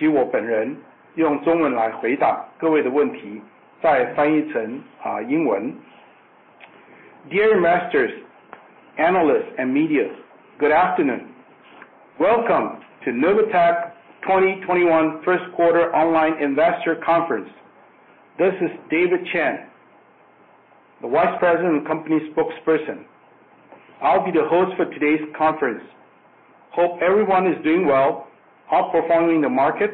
Dear Investors, Analysts, and Media, Good afternoon. Welcome to Novatek 2021 First Quarter Online Investor Conference. This is David Chen, the Vice President and Company Spokesperson. I'll be the host for today's conference. Hope everyone is doing well, outperforming the market,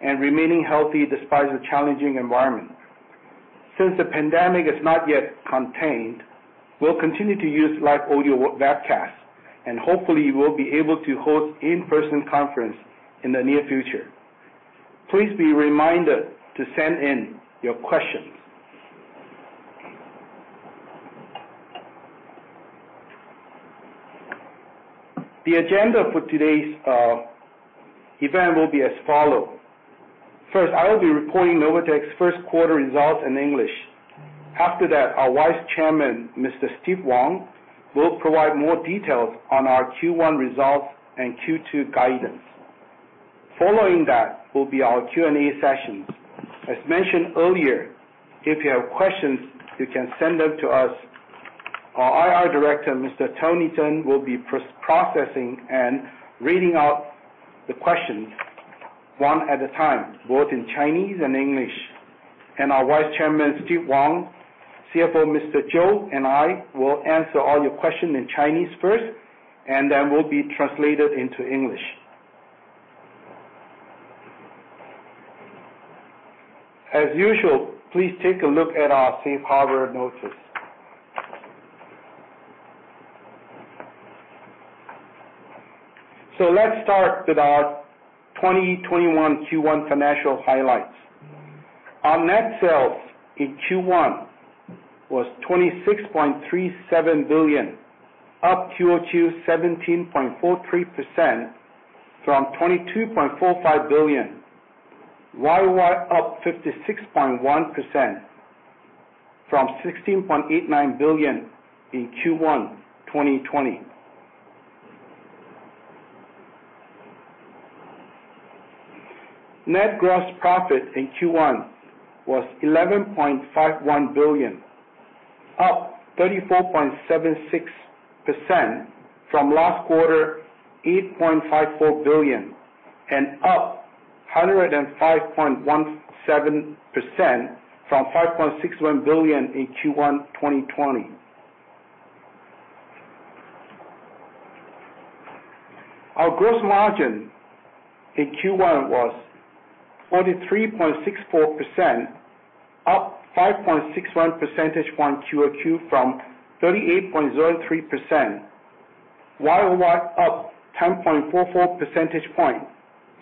and remaining healthy despite the challenging environment. Since the pandemic is not yet contained, we'll continue to use live audio webcasts, and hopefully we'll be able to host in-person conferences in the near future. Please be reminded to send in your questions. The agenda for today's event will be as follows. First, I will be reporting Novatek's first quarter results in English. After that, our Vice Chairman, Mr. Steve Wang, will provide more details on our Q1 results and Q2 guidance. Following that will be our Q&A sessions. As mentioned earlier, if you have questions, you can send them to us. Our IR Director, Mr. Tony Chen, will be processing and reading out the questions one at a time, both in Chinese and English. Our Vice Chairman, Steve Wang, CFO, Mr. Chou, and I will answer all your questions in Chinese first, and then we'll be translated into English. As usual, please take a look at our safe harbor notice. Let's start with our 2021 Q1 financial highlights. Our net sales in Q1 was $26.37 billion, up quarter-over-quarter 17.43% from $22.45 billion. Year-over-year up 56.1% from $16.89 billion in Q1 2020. Net gross profit in Q1 was $11.51 billion, up 34.76% from last quarter $8.54 billion, and up 105.17% from $5.61 billion in Q1 2020. Our gross margin in Q1 was 43.64%, up 5.61 percentage points quarter-over-quarter from 38.03%. Year-over-year up 10.44 percentage points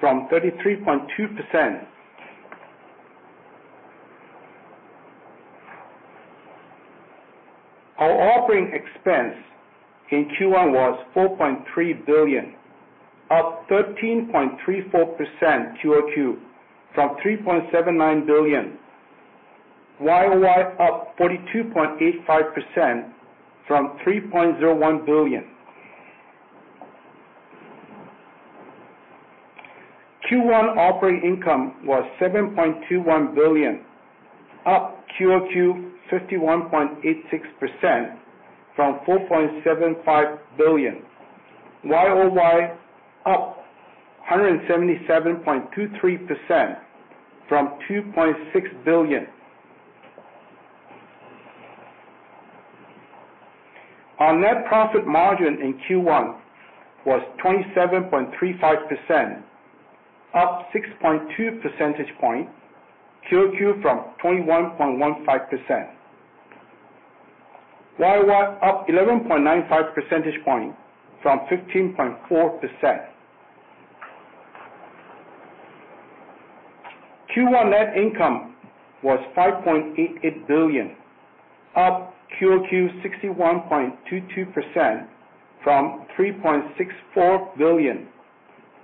from 33.2%. Our operating expense in Q1 was $4.3 billion, up 13.34% quarter-over-quarter from $3.79 billion. Year-over-year up 42.85% from $3.01 billion. Q1 operating income was $7.21 billion, up quarter-over-quarter 51.86% from $4.75 billion. Year-over-year up 177.23% from $2.6 billion. Our net profit margin in Q1 was 27.35%, up 6.2 percentage points quarter-over-quarter from 21.15%. Year-over-year up 11.95 percentage points from 15.4%. Q1 net income was $5.88 billion, up quarter-over-quarter 61.22% from $3.64 billion.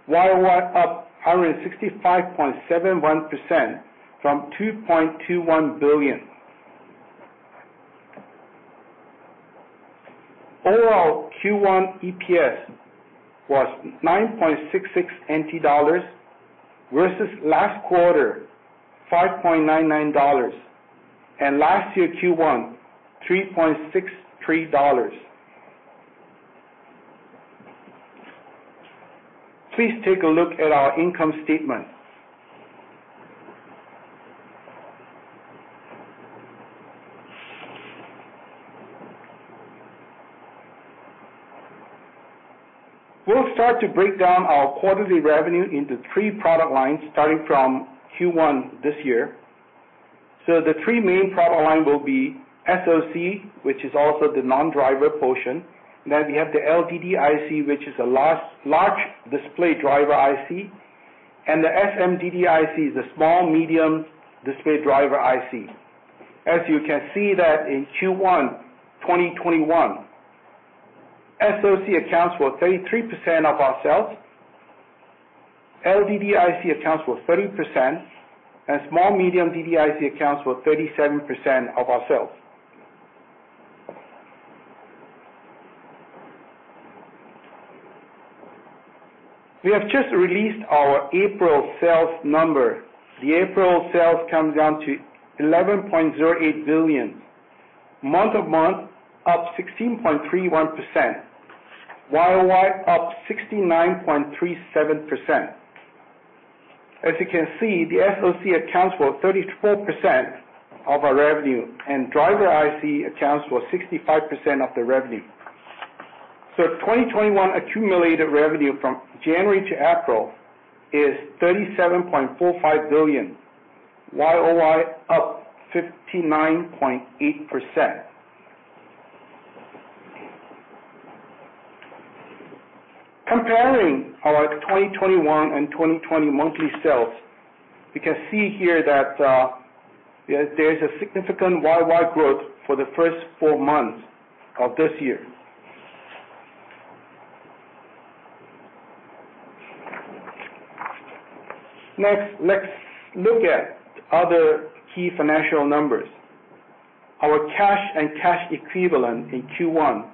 Year-over-year up 165.71% from $2.21 billion. Overall Q1 EPS was NT$9.66 versus last quarter NT$5.99, and last year Q1 NT$3.63. Please take a look at our income statement. We'll start to break down our quarterly revenue into three product lines starting from Q1 this year. The three main product lines will be SoC, which is also the non-driver portion, and then we have the LDDI IC, which is a large display driver IC, and the SMDDI IC is a small medium display driver IC. As you can see that in Q1 2021, SoC accounts for 33% of our sales, LDDI IC accounts for 30%, and small medium DDI IC accounts for 37% of our sales. We have just released our April sales number. The April sales come down to $11.08 billion. Month-over-month, up 16.31%. Year-over-year up 69.37%. As you can see, the SoC accounts for 34% of our revenue, and driver IC accounts for 65% of the revenue. 2021 accumulated revenue from January to April is $37.45 billion. Year-over-year up 59.8%. Comparing our 2021 and 2020 monthly sales, you can see here that there's a significant year-over-year growth for the first four months of this year. Next, let's look at other key financial numbers. Our cash and cash equivalent in Q1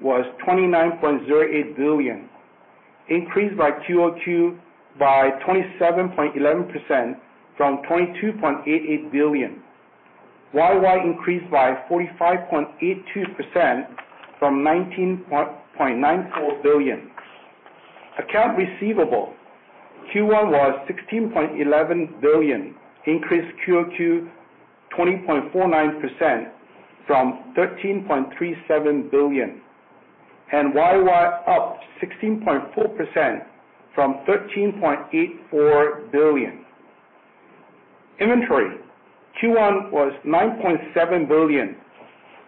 was $29.08 billion, increased by quarter-over-quarter by 27.11% from $22.88 billion. Year-over-year increased by 45.82% from $19.94 billion. Account receivable Q1 was $16.11 billion, increased quarter-over-quarter 20.49% from $13.37 billion, and year-over-year up 16.4% from $13.84 billion. Inventory Q1 was $9.7 billion.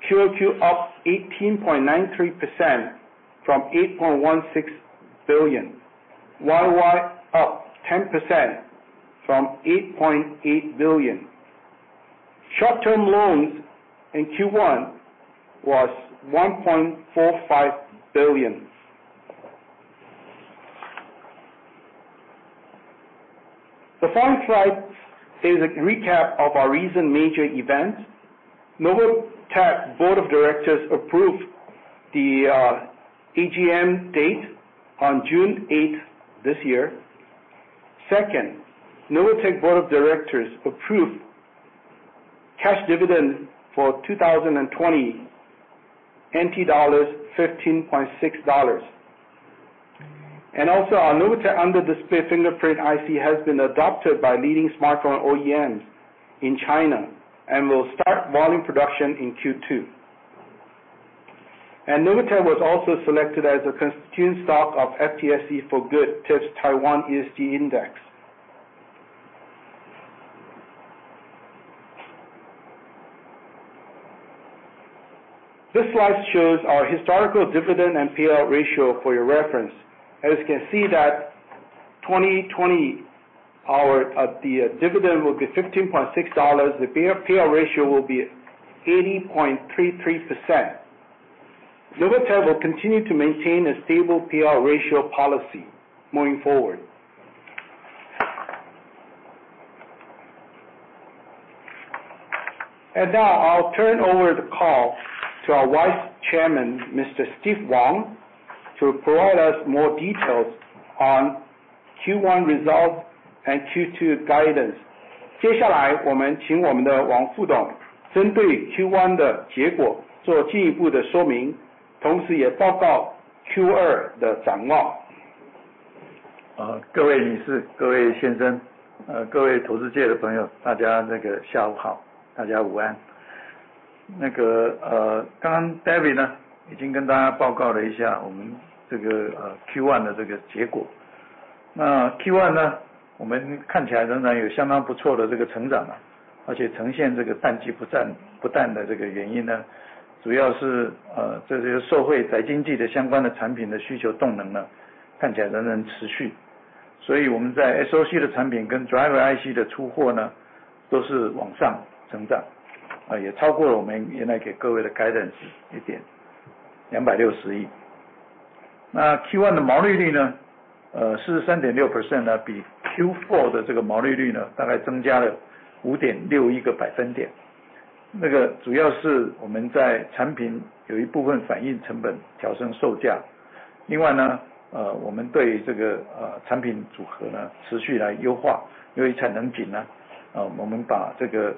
Quarter-over-quarter up 18.93% from $8.16 billion. Year-over-year up 10% from $8.8 billion. Short-term loans in Q1 was $1.45 billion. The following slide is a recap of our recent major events. Novatek Board of Directors approved the AGM date on June 8th this year. Second, Novatek Board of Directors approved cash dividend for 2020, NT$15.6. Also, our Novatek under-display fingerprint IC has been adopted by leading smartphone OEMs in China and will start volume production in Q2. Novatek was also selected as a constituent stock of FTSE4Good TIP Taiwan ESG Index. This slide shows our historical dividend and payout ratio for your reference. As you can see that 2020, the dividend will be NT$15.6. The payout ratio will be 80.33%. Novatek will continue to maintain a stable payout ratio policy moving forward. Now I'll turn over the call to our Vice Chairman, Mr. Steve Wang, to provide us more details on Q1 results and Q2 guidance. 接下来我们请我们的王副董针对Q1的结果做进一步的说明，同时也报告Q2的展望。IC的出貨都是往上成長，也超過了我們原來給各位的guidance一點，NT$260億。Q1的毛利率43.6%，比Q4的毛利率大概增加了5.61個百分點。主要是我們在產品有一部分反映成本調升售價。另外，我們對於產品組合持續來優化，因為產能緊，我們把對長期發展有利的產品組合做一些生產上的調整，所以使我們的毛利率能夠也有一個比較好的表現。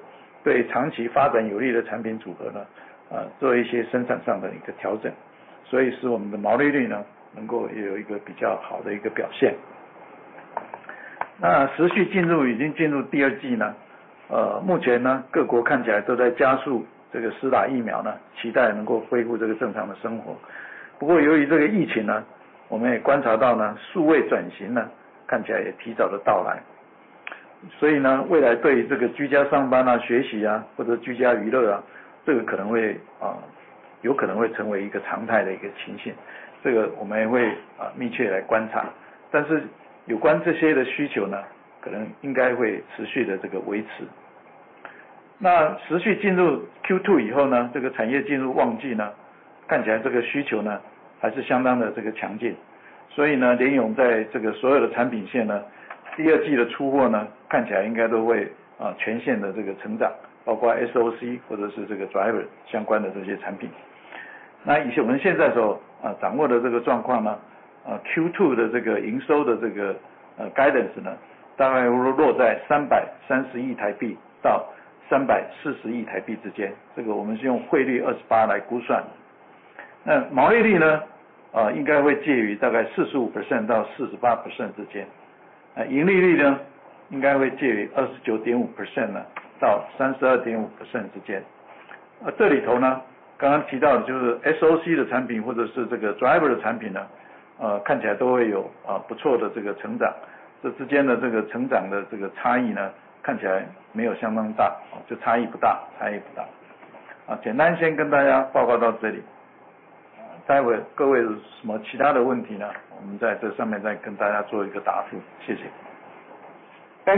簡單先跟大家報告到這裡，待會各位有什麼其他的問題，我們再跟大家做一個答復，謝謝。Thank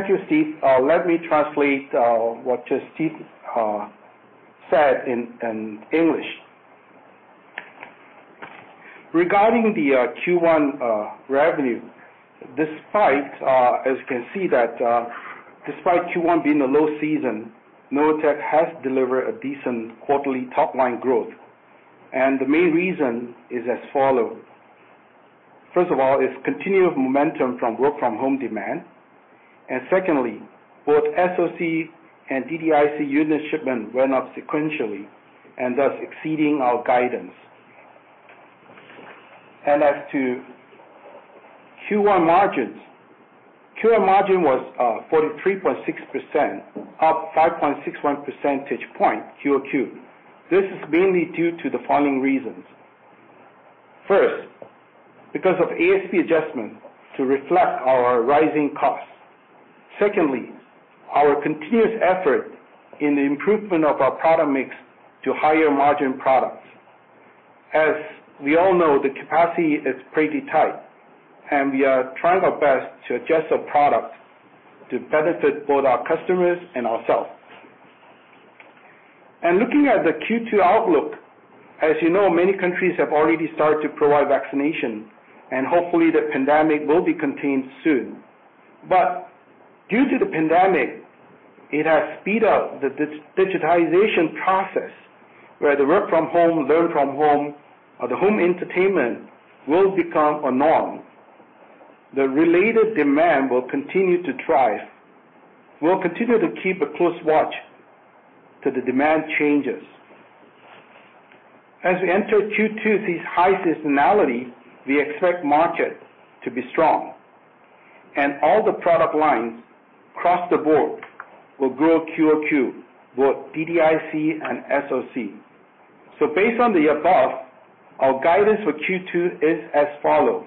you, Steve. Let me translate what Steve said in English. Regarding the Q1 revenue, despite, as you can see that, despite Q1 being a low season, Novatek has delivered a decent quarterly top-line growth. The main reason is as follows. First of all, it's continued momentum from work-from-home demand. Secondly, both SoC and DDIC unit shipment went up sequentially and thus exceeding our guidance. As to Q1 margins, Q1 margin was 43.6%, up 5.61 percentage points Q2. This is mainly due to the following reasons. First, because of ASP adjustment to reflect our rising costs. Secondly, our continuous effort in the improvement of our product mix to higher margin products. As we all know, the capacity is pretty tight, and we are trying our best to adjust our product to benefit both our customers and ourselves. Looking at the Q2 outlook, as you know, many countries have already started to provide vaccination, and hopefully the pandemic will be contained soon. But due to the pandemic, it has speeded up the digitization process where the work-from-home, learn-from-home, or the home entertainment will become a norm. The related demand will continue to thrive. We'll continue to keep a close watch to the demand changes. As we enter Q2, seeing high seasonality, we expect market to be strong. All the product lines across the board will grow Q2, both DDIC and SoC. Based on the above, our guidance for Q2 is as follows.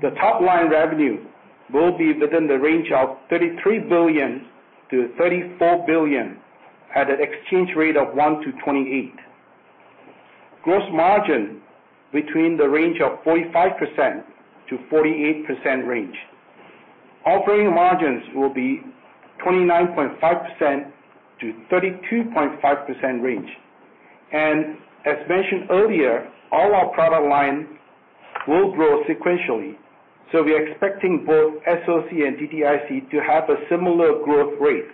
The top-line revenue will be within the range of ¥33 billion to ¥34 billion at an exchange rate of 1 to 28. Gross margin between the range of 45% to 48%. Operating margins will be 29.5% to 32.5%. As mentioned earlier, all our product lines will grow sequentially. We're expecting both SoC and DDIC to have a similar growth rate.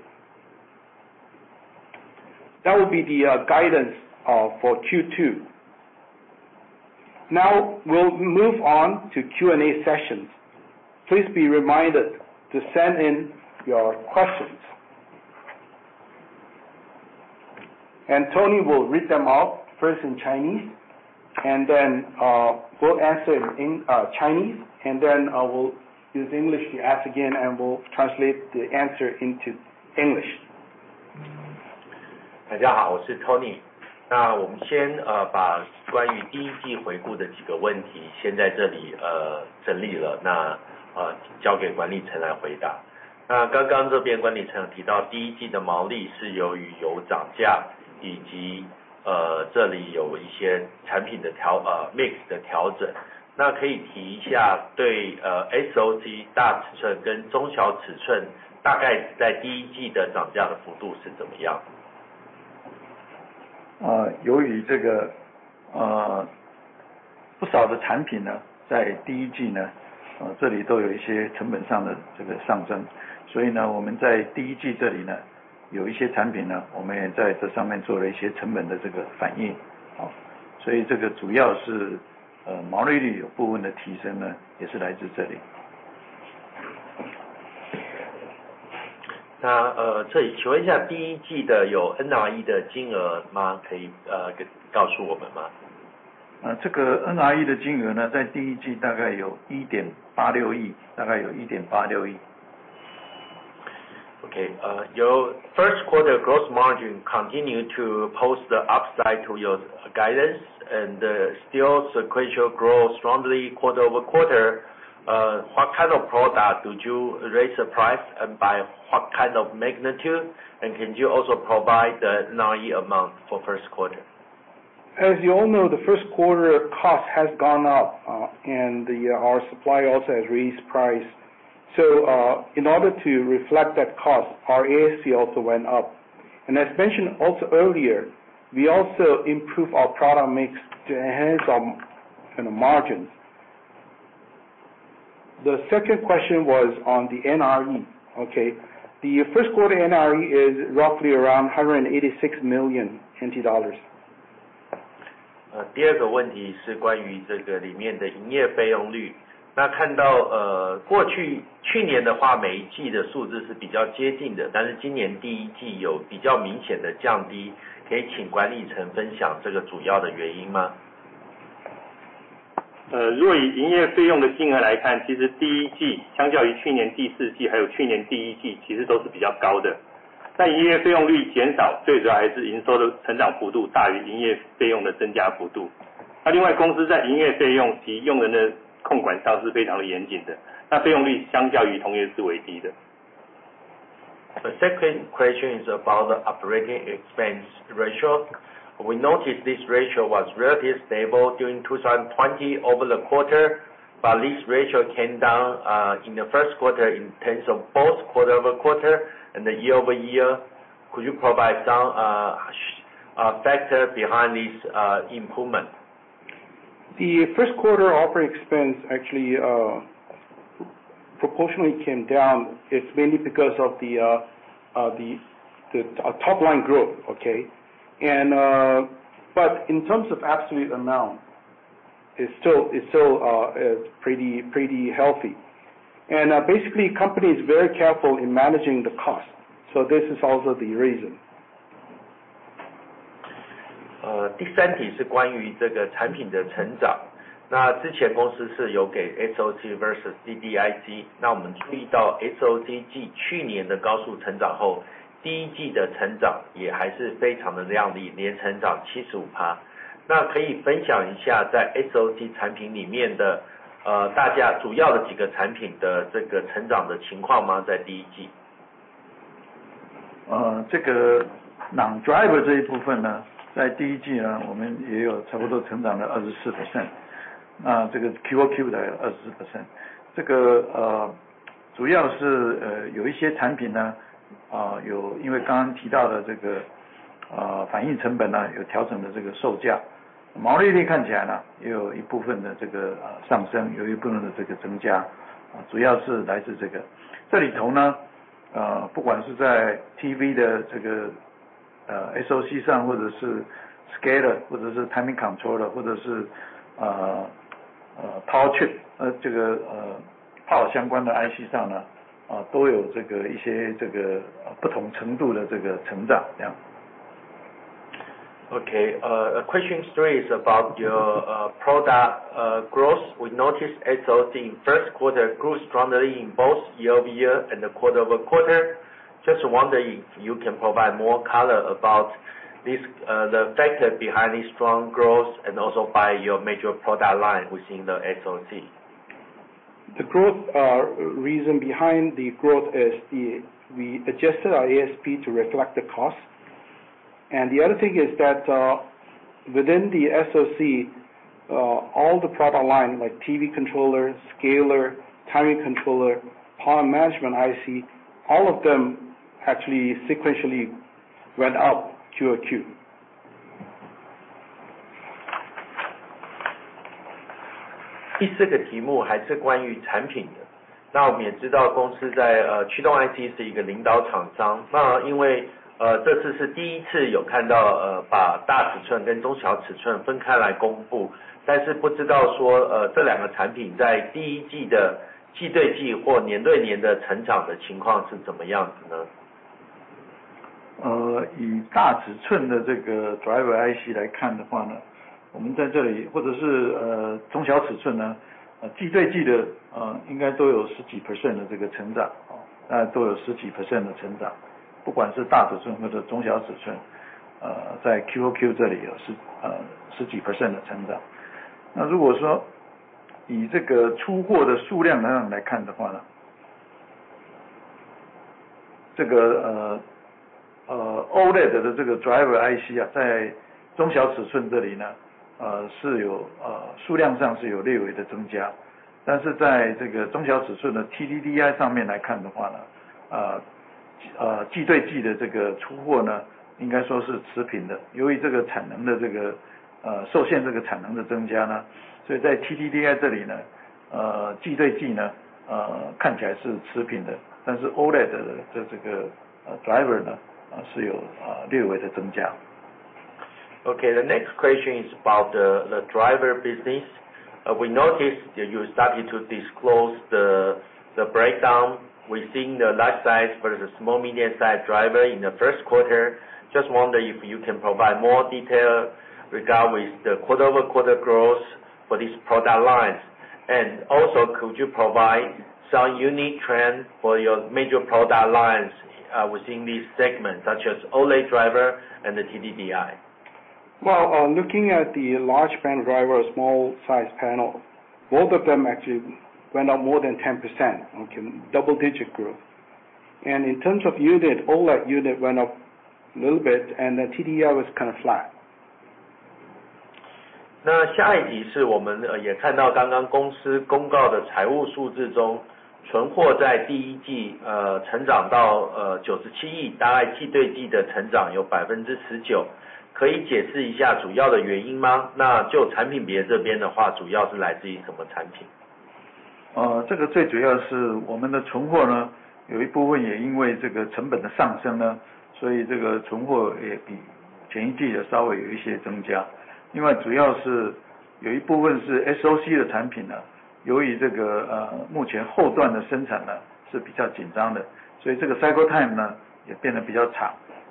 That will be the guidance for Q2. Now we'll move on to Q&A sessions. Please be reminded to send in your questions. Tony will read them out first in Chinese, and then we'll answer in Chinese, and then we'll use English to ask again, and we'll translate the answer into English. 那这里请问一下第一季的有NRE的金额吗？可以告诉我们吗？ 这个NRE的金额呢，在第一季大概有NT$1.86亿，大概有NT$1.86亿。Okay, your first quarter gross margin continued to post the upside to your guidance and still sequential growth strongly quarter over quarter. What kind of product did you raise the price and by what kind of magnitude? Can you also provide the NRE amount for first quarter? As you all know, the first quarter cost has gone up, and our supply also has raised price. So in order to reflect that cost, our ASP also went up. As mentioned also earlier, we also improved our product mix to enhance our margins. The second question was on the NRE, okay? The first quarter NRE is roughly around NT$186 million. 第二个问题是关于这个里面的营业费用率。那看到过去去年的话，每一季的数字是比较接近的，但是今年第一季有比较明显的降低。可以请管理层分享这个主要的原因吗？ 如果以营业费用的金额来看，其实第一季相较于去年第四季还有去年第一季，其实都是比较高的。但营业费用率减少，最主要还是营收的成长幅度大于营业费用的增加幅度。那另外公司在营业费用及用人的控管上是非常的严谨的，那费用率相较于同业是为低的。The second question is about the operating expense ratio. We noticed this ratio was relatively stable during 2020 over the quarter, but this ratio came down in the first quarter in terms of both quarter over quarter and the year over year. Could you provide some factors behind this improvement? The first quarter operating expense actually proportionally came down. It's mainly because of the top-line growth, okay? But in terms of absolute amount, it's still pretty healthy. Basically, the company is very careful in managing the cost. So this is also the reason. 第三题是关于这个产品的成长。之前公司是有给SoC versus chip，这个Power相关的IC上，都有一些不同程度的成长。Okay, question three is about your product growth. We noticed SoC in first quarter grew strongly in both year over year and quarter over quarter. Just wondering if you can provide more color about the factors behind this strong growth and also by your major product line within the SoC. The growth reason behind the growth is we adjusted our ASP to reflect the cost. And the other thing is that within the SoC, all the product line, like TV controller, scaler, timing controller, Power Management IC, all of them actually sequentially went up Q2. Okay, the next question is about the driver business. We noticed that you started to disclose the breakdown within the large size versus small medium size driver in the first quarter. Just wonder if you can provide more detail regarding the quarter over quarter growth for these product lines. And also, could you provide some unique trends for your major product lines within this segment, such as OLED driver and the TDDI? Well, looking at the large panel driver, small size panel, both of them actually went up more than 10%, double digit growth. And in terms of unit, OLED unit went up a little bit, and the TDDI was kind of flat. 那下一題是我們也看到剛剛公司公告的財務數字中，存貨在第一季成長到97億，大概季對季的成長有19%。可以解釋一下主要的原因嗎？那就產品別這邊的話，主要是來自於什麼產品？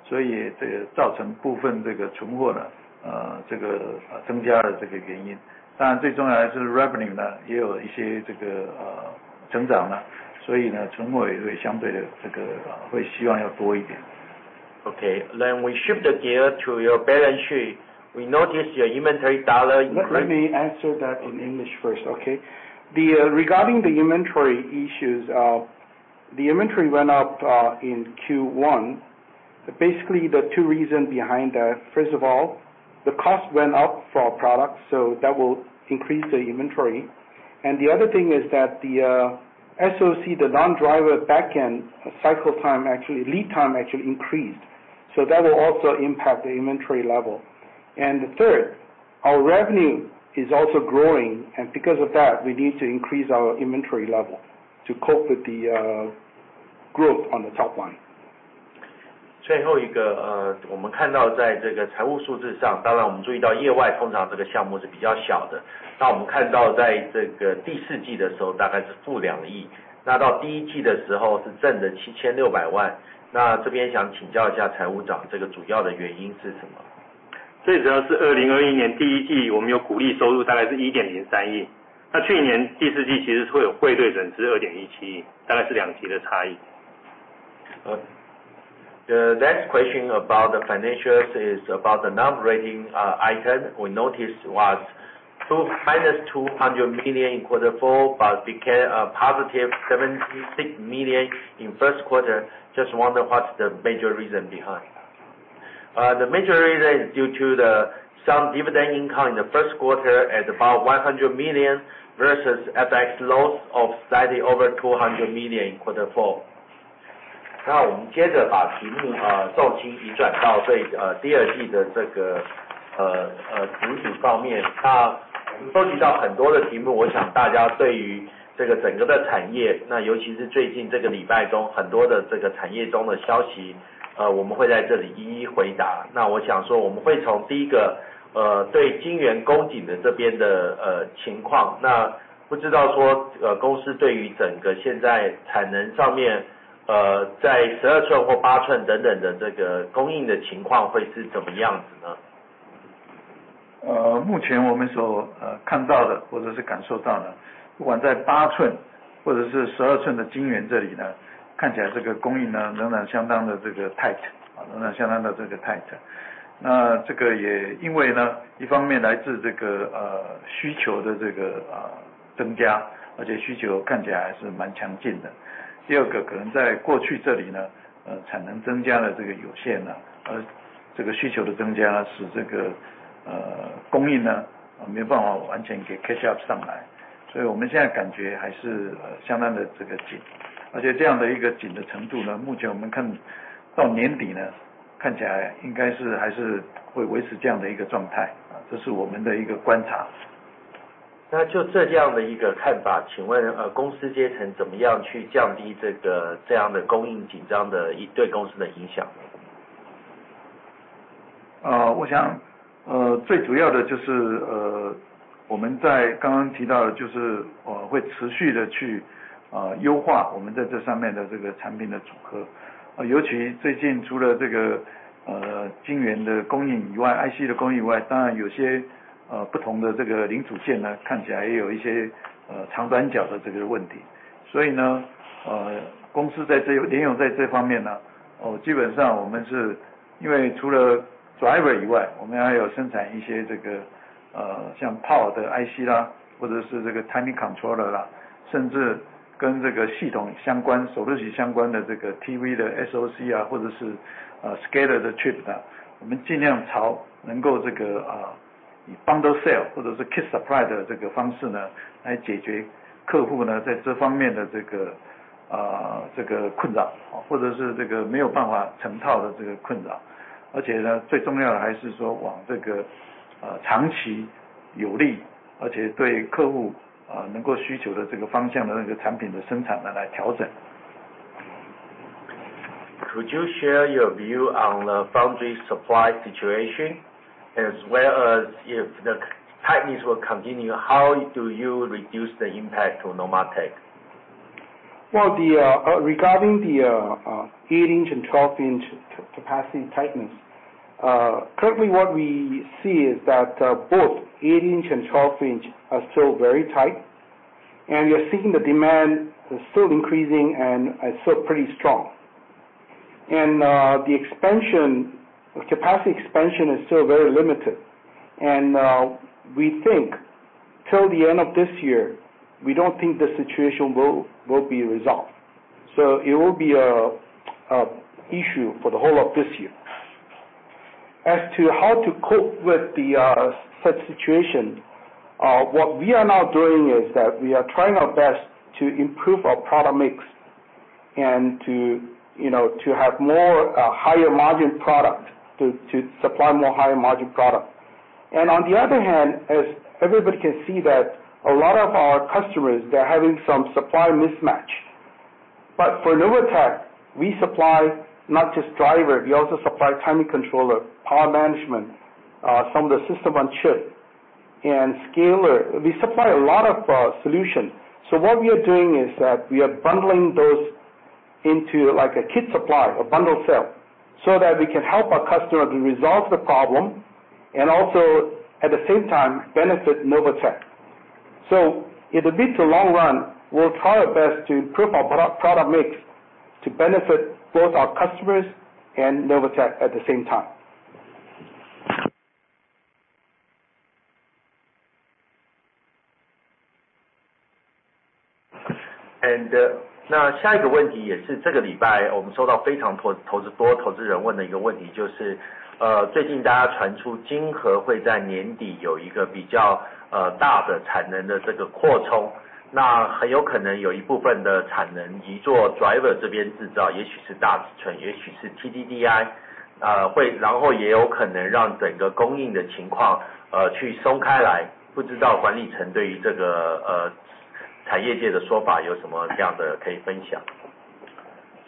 time呢，也變得比較長，所以這個造成部分這個存貨呢，這個增加了這個原因。當然最重要的是Revenue呢，也有一些這個成長呢，所以呢，存貨也會相對的這個會希望要多一點。Okay, then we shift the gear to your balance sheet. We noticed your inventory dollar increase. Let me answer that in English first, okay? Regarding the inventory issues, the inventory went up in Q1. Basically, the two reasons behind that, first of all, the cost went up for our products, so that will increase the inventory. The other thing is that the SoC, the non-driver backend cycle time, actually lead time actually increased, so that will also impact the inventory level. Third, our revenue is also growing, and because of that, we need to increase our inventory level to cope with the growth on the top line. 最后一个，我们看到在这个财务数字上，当然我们注意到業外通常這個項目是比較小的。那我們看到在這個第四季的時候，大概是負NT$2億，那到第一季的時候是正的NT$7,600萬。那這邊想請教一下財務長，這個主要的原因是什麼？ 最主要是2021年第一季，我們有股利收入大概是NT$1.03億，那去年第四季其實會有匯兌損失NT$2.17億，大概是兩極的差異。The next question about the financials is about the non-operating item. We noticed it was minus $200 million in quarter four, but became a positive $76 million in first quarter. Just wonder what's the major reason behind? The major reason is due to the dividend income in the first quarter at about $100 million versus FX loss of slightly over $200 million in quarter four. sale或者是kit supply的這個方式呢，來解決客戶呢，在這方面的這個困擾，或者是這個沒有辦法成套的這個困擾。而且呢，最重要的還是說往這個長期有利，而且對客戶能夠需求的這個方向的那個產品的生產來調整。Could you share your view on the foundry supply situation? As well as if the tightness will continue, how do you reduce the impact to Novatek? Well, regarding the 8-inch and 12-inch capacity tightness, currently what we see is that both 8-inch and 12-inch are still very tight, and we are seeing the demand is still increasing and is still pretty strong. The capacity expansion is still very limited, and we think till the end of this year, we don't think the situation will be resolved. So it will be an issue for the whole of this year. As to how to cope with such situation, what we are now doing is that we are trying our best to improve our product mix and to have more higher margin product, to supply more higher margin product. On the other hand, as everybody can see that a lot of our customers, they're having some supply mismatch. But for Novatek, we supply not just driver, we also supply timing controller, Power Management, some of the system on chip, and scaler. We supply a lot of solutions. So what we are doing is that we are bundling those into like a kit supply, a bundle sale, so that we can help our customer to resolve the problem and also at the same time benefit Novatek. So in the mid to long run, we'll try our best to improve our product mix to benefit both our customers and Novatek at the same time.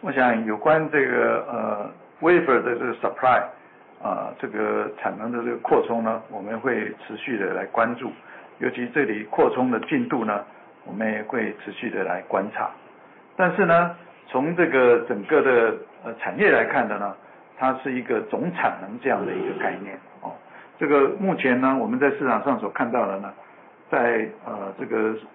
我想有關這個Wafer的這個Supply，這個產能的這個擴充呢，我們會持續的來關注，尤其這裡擴充的進度呢，我們也會持續的來觀察。但是呢，從這個整個的產業來看的呢，它是一個總產能這樣的一個概念。這個目前呢，我們在市場上所看到的呢，在這個供應上呢，短缺的並不是只有driver IC，一些non-driver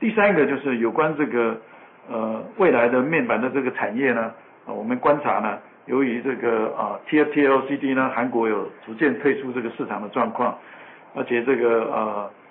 第三個就是有關這個未來的面板的這個產業呢，我們觀察呢，由於這個TFT LCD呢，韓國有逐漸退出這個市場的狀況，而且這個中國跟台灣呢，可以說現在是TFT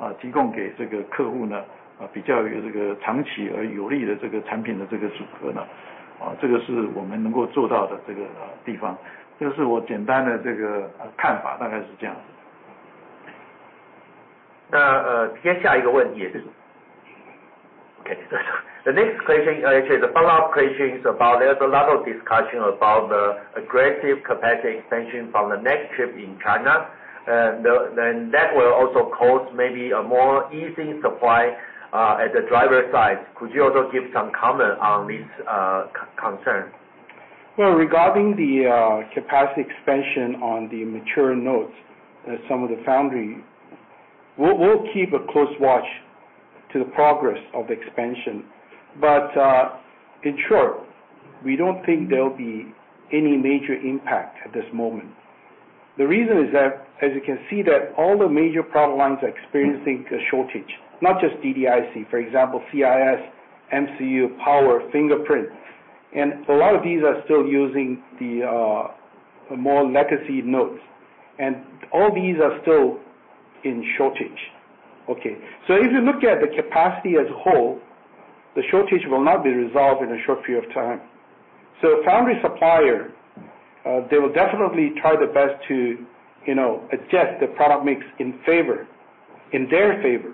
那接下一個問題也是。The next question is the follow-up question about there's a lot of discussion about the aggressive capacity expansion from the Nexchip in China, and that will also cause maybe a more easy supply at the driver side. Could you also give some comment on this concern? Well, regarding the capacity expansion on the mature nodes, some of the foundry, we'll keep a close watch to the progress of the expansion, but in short, we don't think there'll be any major impact at this moment. The reason is that, as you can see, that all the major product lines are experiencing a shortage, not just DDIC, for example, CIS, MCU, Power, Fingerprint, and a lot of these are still using the more legacy nodes, and all these are still in shortage. So if you look at the capacity as a whole, the shortage will not be resolved in a short period of time. So foundry supplier, they will definitely try their best to adjust the product mix in favor, in their favor.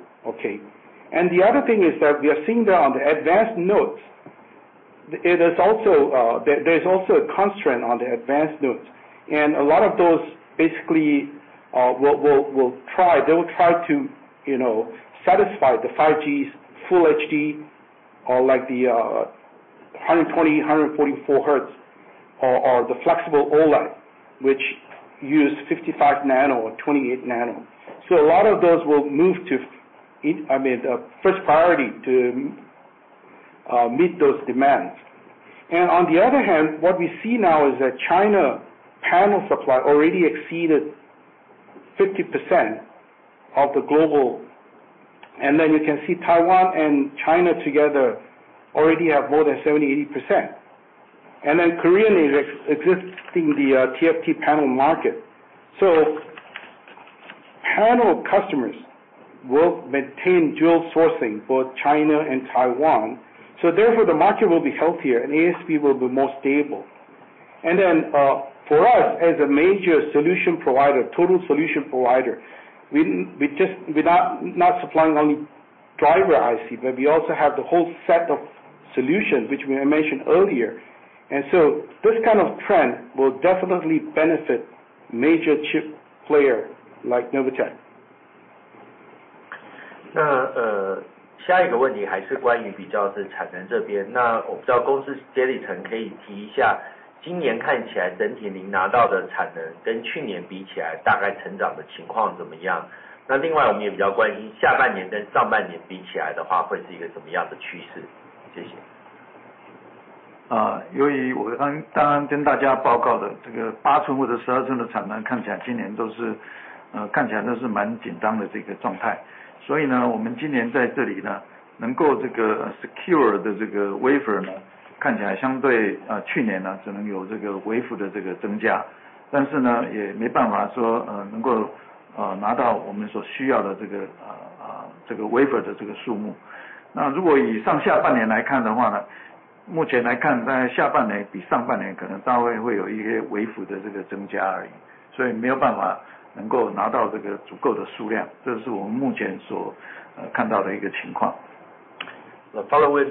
And the other thing is that we are seeing that on the advanced nodes, there's also a constraint on the advanced nodes, and a lot of those basically will try, they will try to satisfy the 5G's Full HD or like the 120, 144 Hertz or the flexible OLED, which use 55 nano or 28 nano. So a lot of those will move to, I mean, the first priority to meet those demands. And on the other hand, what we see now is that China panel supply already exceeded 50% of the global, and then you can see Taiwan and China together already have more than 70%, 80%, and then Korea is exiting the TFT panel market. So panel customers will maintain dual sourcing, both China and Taiwan, so therefore the market will be healthier and ASP will be more stable. And then for us as a major solution provider, total solution provider, we're not supplying only driver IC, but we also have the whole set of solutions, which we mentioned earlier. And so this kind of trend will definitely benefit major chip player like Novatek. 那下一個問題還是關於比較是產能這邊，那我不知道公司階層可以提一下，今年看起來整體您拿到的產能跟去年比起來大概成長的情況怎麼樣？那另外我們也比較關心下半年跟上半年比起來的話會是一個怎麼樣的趨勢？謝謝。The following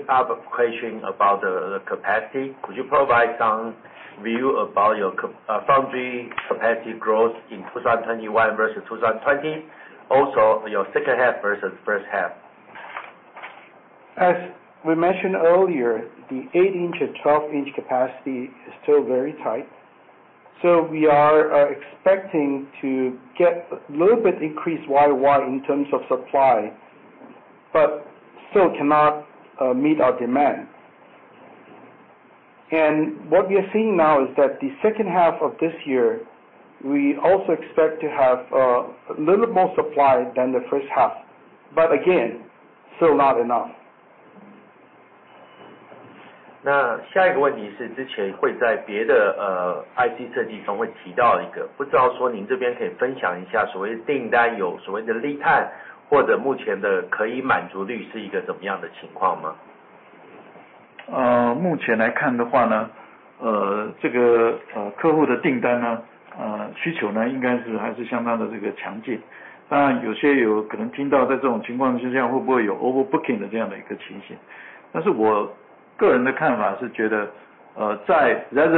up question about the capacity, could you provide some view about your foundry capacity growth in 2021 versus 2020? Also, your second half versus first half? As we mentioned earlier, the 8-inch and 12-inch capacity is still very tight, so we are expecting to get a little bit increased wafer in terms of supply, but still cannot meet our demand. What we are seeing now is that the second half of this year, we also expect to have a little more supply than the first half, but again, still not enough.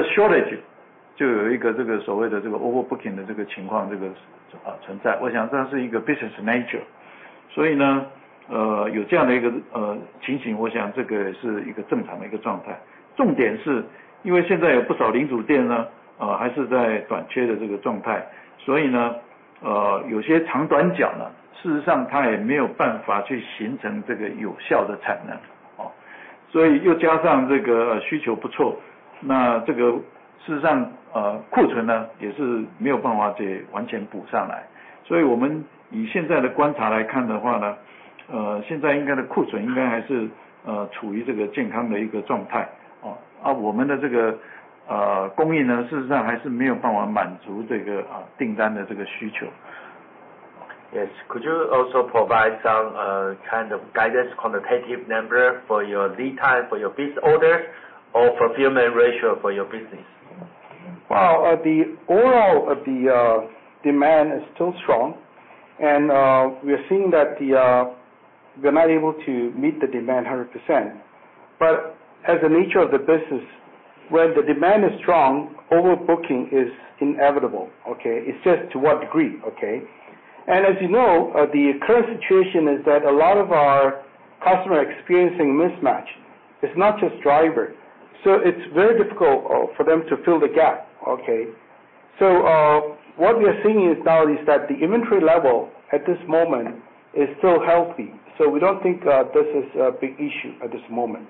shortage就有一个所谓的overbooking的情况存在。我想这是一个Business Nature，所以有这样的一个情形，我想这个也是一个正常的状态。重点是因为现在有不少零组件还是在短缺的状态，所以有些长短料事实上它也没有办法去形成有效的产能。所以又加上需求不错，事实上库存也是没有办法完全补上来。所以我们以现在的观察来看的话，现在应该的库存应该还是处于健康的状态。我们的供应事实上还是没有办法满足订单的需求。Yes, could you also provide some kind of guidance quantitative number for your lead time for your business orders or fulfillment ratio for your business? Well, the overall demand is still strong, and we are seeing that we are not able to meet the demand 100%, but as the nature of the business, when the demand is strong, overbooking is inevitable. It's just to what degree. And as you know, the current situation is that a lot of our customers are experiencing mismatch. It's not just driver, so it's very difficult for them to fill the gap. So what we are seeing now is that the inventory level at this moment is still healthy, so we don't think this is a big issue at this moment.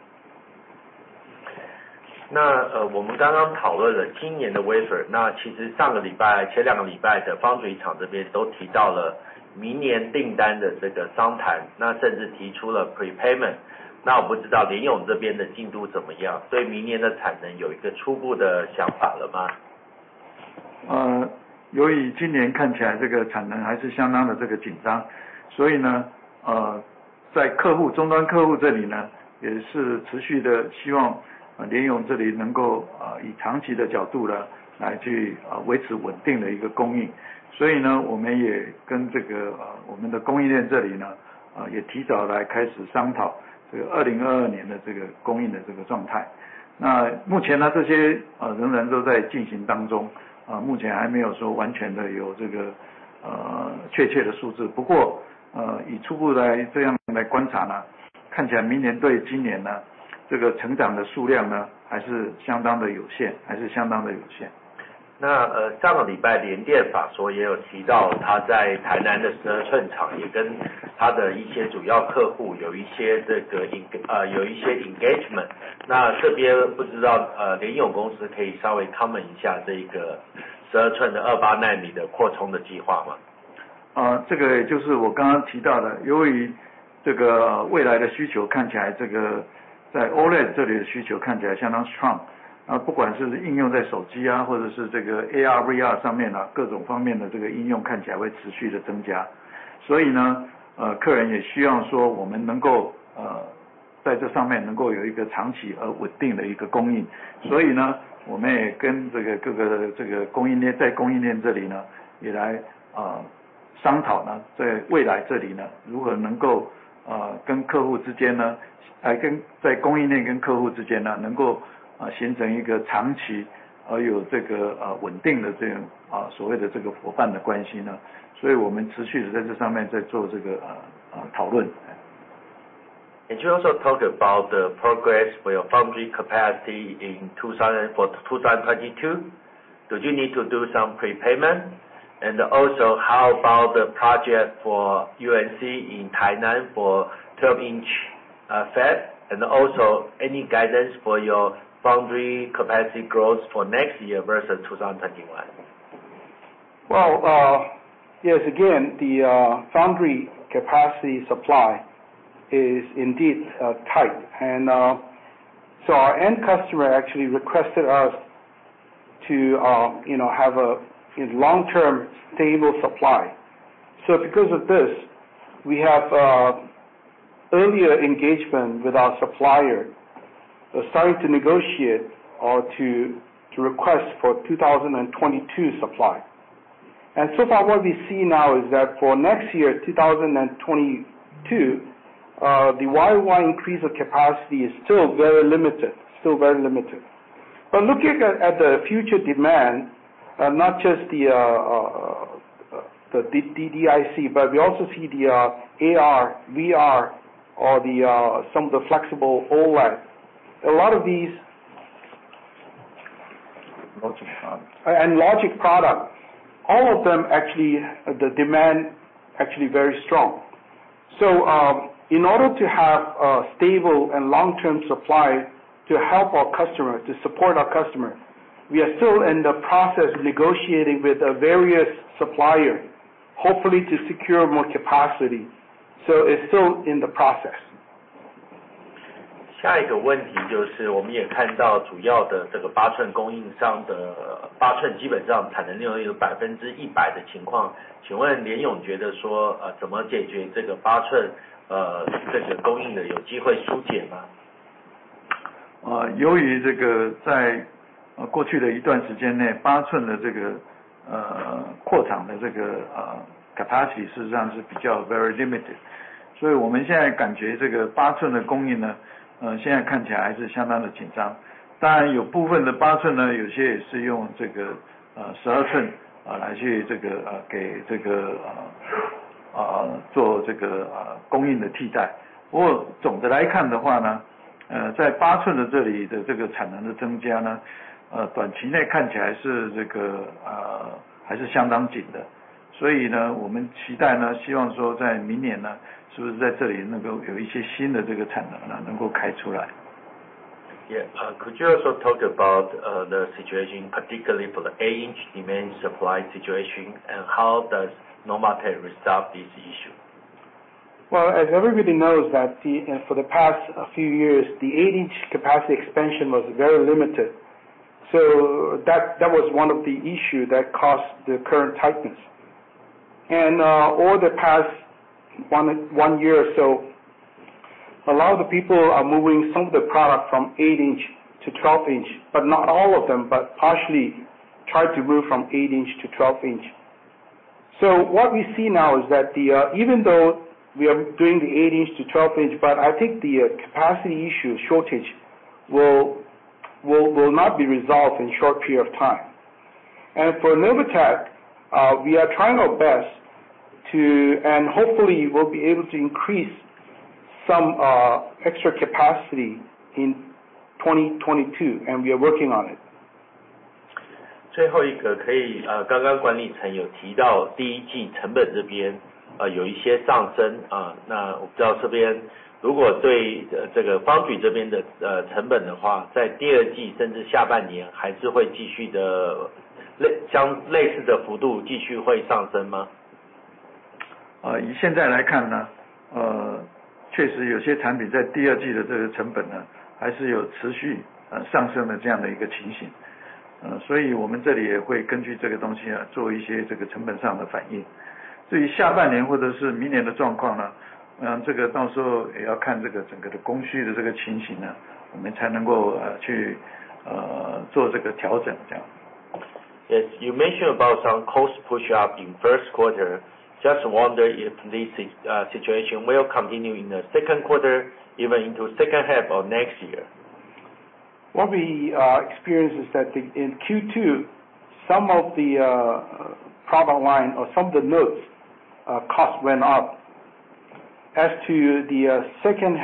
You also talked about the progress for your foundry capacity in 2022. Do you need to do some prepayment? How about the project for UMC in Taiwan for 12-inch fab? Any guidance for your foundry capacity growth for next year versus 2021? The foundry capacity supply is indeed tight, and so our end customer actually requested us to have a long-term stable supply. Because of this, we have earlier engagement with our supplier, starting to negotiate or to request for 2022 supply. So far what we see now is that for next year 2022, the year-over-year increase of capacity is still very limited, still very limited. But looking at the future demand, not just the DDIC, but we also see the AR, VR, or some of the flexible OLED, a lot of these and logic product, all of them actually the demand actually very strong. In order to have a stable and long-term supply to help our customer, to support our customer, we are still in the process of negotiating with various suppliers, hopefully to secure more capacity. It's still in the process. 下一個問題就是我們也看到主要的這個8吋供應商的8吋基本上產能利用率有100%的情況，請問聯詠覺得說怎麼解決這個8吋這個供應的有機會縮減嗎？ 由于这个在过去的一段时间内8寸的扩厂的Capacity事实上是比较Very Limited，所以我们现在感觉8寸的供应现在看起来还是相当的紧张。当然有部分的8寸，有些也是用12寸来给做供应的替代。不过总的来看的话，在8寸这里的产能的增加，短期内看起来还是相当紧的。所以，我们期待，希望说在明年，是不是在这里能够有一些新的产能能够开出来。Yes, could you also talk about the situation particularly for the 8-inch demand supply situation and how does Novatek resolve this issue? Well, as everybody knows that for the past few years, the 8-inch capacity expansion was very limited. So that was one of the issues that caused the current tightness. Over the past one year or so, a lot of the people are moving some of the product from 8-inch to 12-inch, but not all of them, but partially tried to move from 8-inch to 12-inch. So what we see now is that even though we are doing the 8-inch to 12-inch, I think the capacity issue shortage will not be resolved in a short period of time. For Novatek, we are trying our best to, and hopefully we'll be able to increase some extra capacity in 2022, and we are working on it. Yes, you mentioned about some cost push-up in first quarter. Just wonder if this situation will continue in the second quarter, even into second half of next year. What we experienced is that in Q2, some of the product line or some of the notes cost went up. As to the second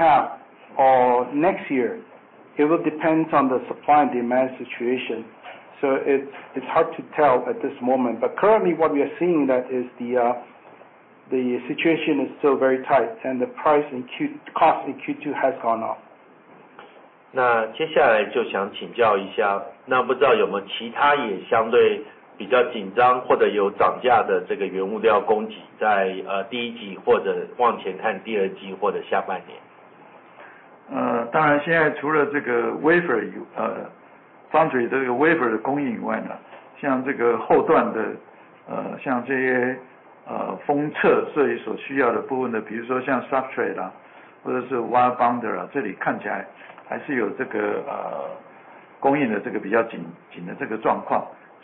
half or next year,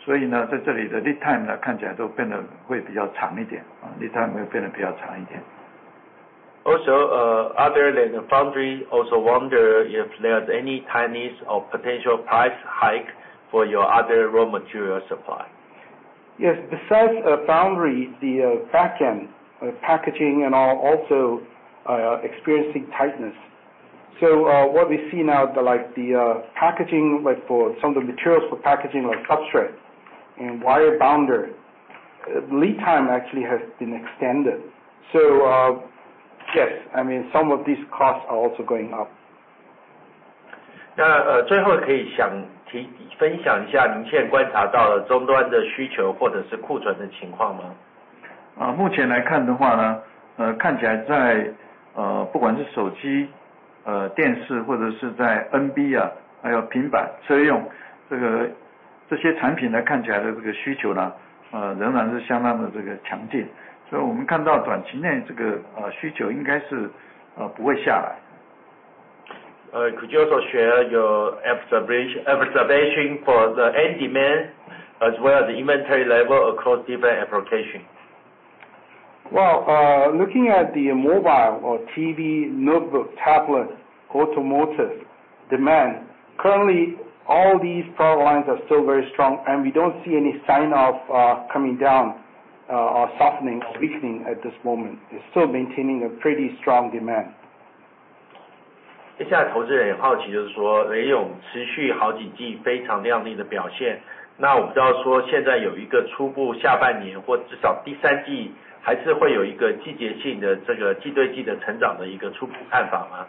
it will depend on the supply and demand situation. So it's hard to tell at this moment, but currently what we are seeing that is the situation is still very tight and the price and cost in Q2 has gone up. 那接下来就想請教一下，那不知道有沒有其他也相對比較緊張或者有漲價的這個原物料供給在第一季或者往前看第二季或者下半年。當然現在除了這個wafer方面這個wafer的供應以外呢，像這個後段的像這些封測所需要的部分的，比如說像substrate或者是wire bonder這裡看起來還是有這個供應的這個比較緊的這個狀況。所以呢，在這裡的lead time看起來都變得會比較長一點，lead time會變得比較長一點。Also, other than the foundry, also wonder if there's any Chinese or potential price hike for your other raw material supply. Yes, besides foundry, the backend packaging and all also experiencing tightness. So what we see now, like the packaging, like for some of the materials for packaging like substrate and wire bonder, lead time actually has been extended. So yes, I mean some of these costs are also going up. 那最后可以想提分享一下您现在观察到了终端的需求或者是库存的情况吗？ 目前来看的话呢，看起来在不管是手机、电视或者是在NB还有平板车用这些产品来看起来的这个需求呢，仍然是相当的这个强劲。所以我们看到短期内这个需求应该是不会下来。Could you also share your observation for the end demand as well as the inventory level across different applications? Well, looking at the mobile or TV, notebook, tablet, automotive demand, currently all these product lines are still very strong and we don't see any sign of coming down or softening or weakening at this moment. It's still maintaining a pretty strong demand. 接下来投资人也好奇就是说联咏持续好几季非常亮丽的表现，那我不知道说现在有一个初步下半年或至少第三季还是会有一个季节性的这个季对季的成长的一个初步看法吗？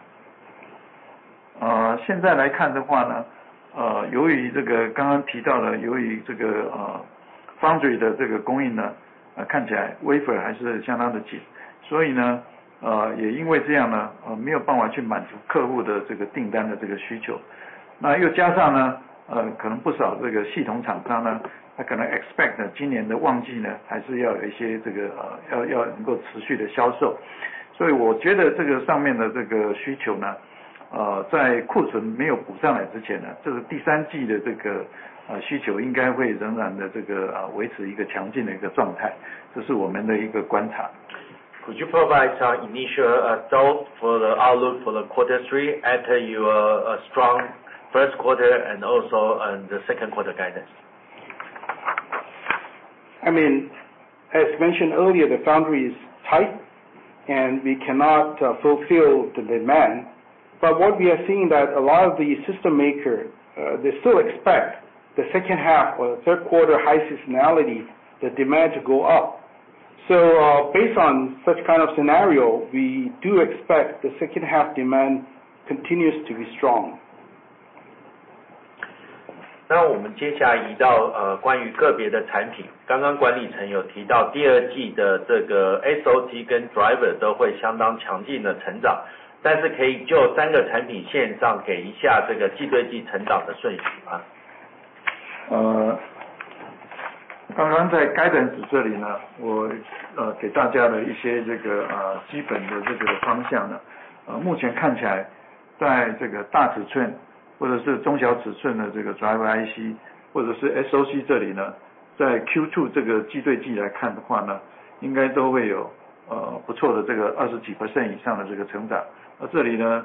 Could you provide some initial thoughts for the outlook for quarter three after your strong first quarter and also the second quarter guidance? I mean, as mentioned earlier, the foundry is tight and we cannot fulfill the demand, but what we are seeing is that a lot of the system makers, they still expect the second half or third quarter high seasonality, the demand to go up. So based on such kind of scenario, we do expect the second half demand continues to be strong. 那我们接下来移到关于个别的产品，刚刚管理层有提到第二季的这个SoC跟Driver都会相当强劲的成长，但是可以就三个产品线上给一下这个季对季成长的顺序吗？ 刚刚在Guidance这里呢，我给大家的一些这个基本的这个方向呢，目前看起来在这个大尺寸或者是中小尺寸的这个driver IC或者是SoC这里呢，在Q2这个季对季来看的话呢，应该都会有不错的这个20%以上的这个成长。而这里呢，看起来这个成长的这个百分比呢，差异没有说非常大，在这个第二季来看的话。Yes, earlier mentioned about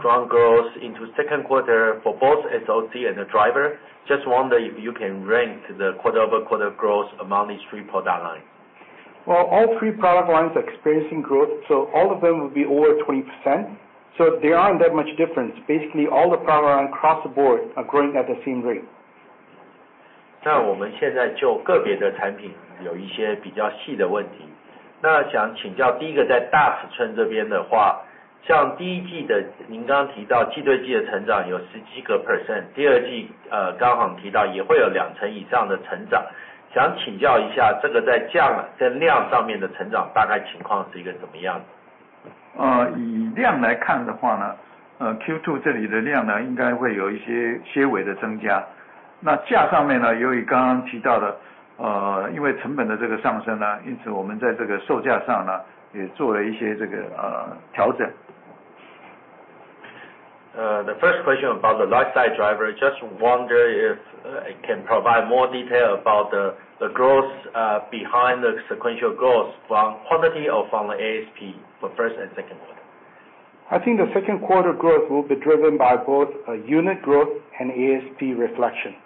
strong growth into second quarter for both SoC and the Driver. Just wonder if you can rank the quarter over quarter growth among these three product lines. Well, all three product lines are experiencing growth, so all of them will be over 20%. So there aren't that much difference. Basically, all the product lines across the board are growing at the same rate. The first question about the lifecycle driver, just wonder if it can provide more detail about the growth behind the sequential growth from quantity or from the ASP for first and second quarter. I think the second quarter growth will be driven by both unit growth and ASP reflection.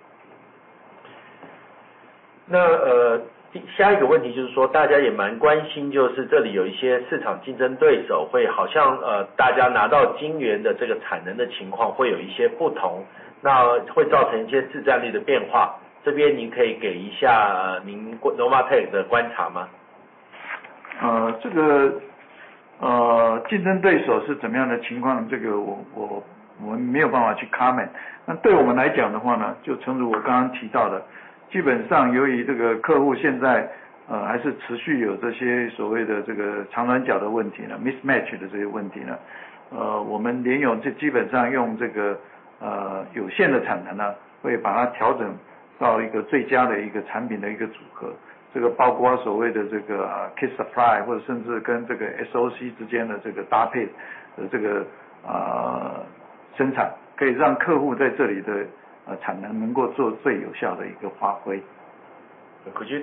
Could you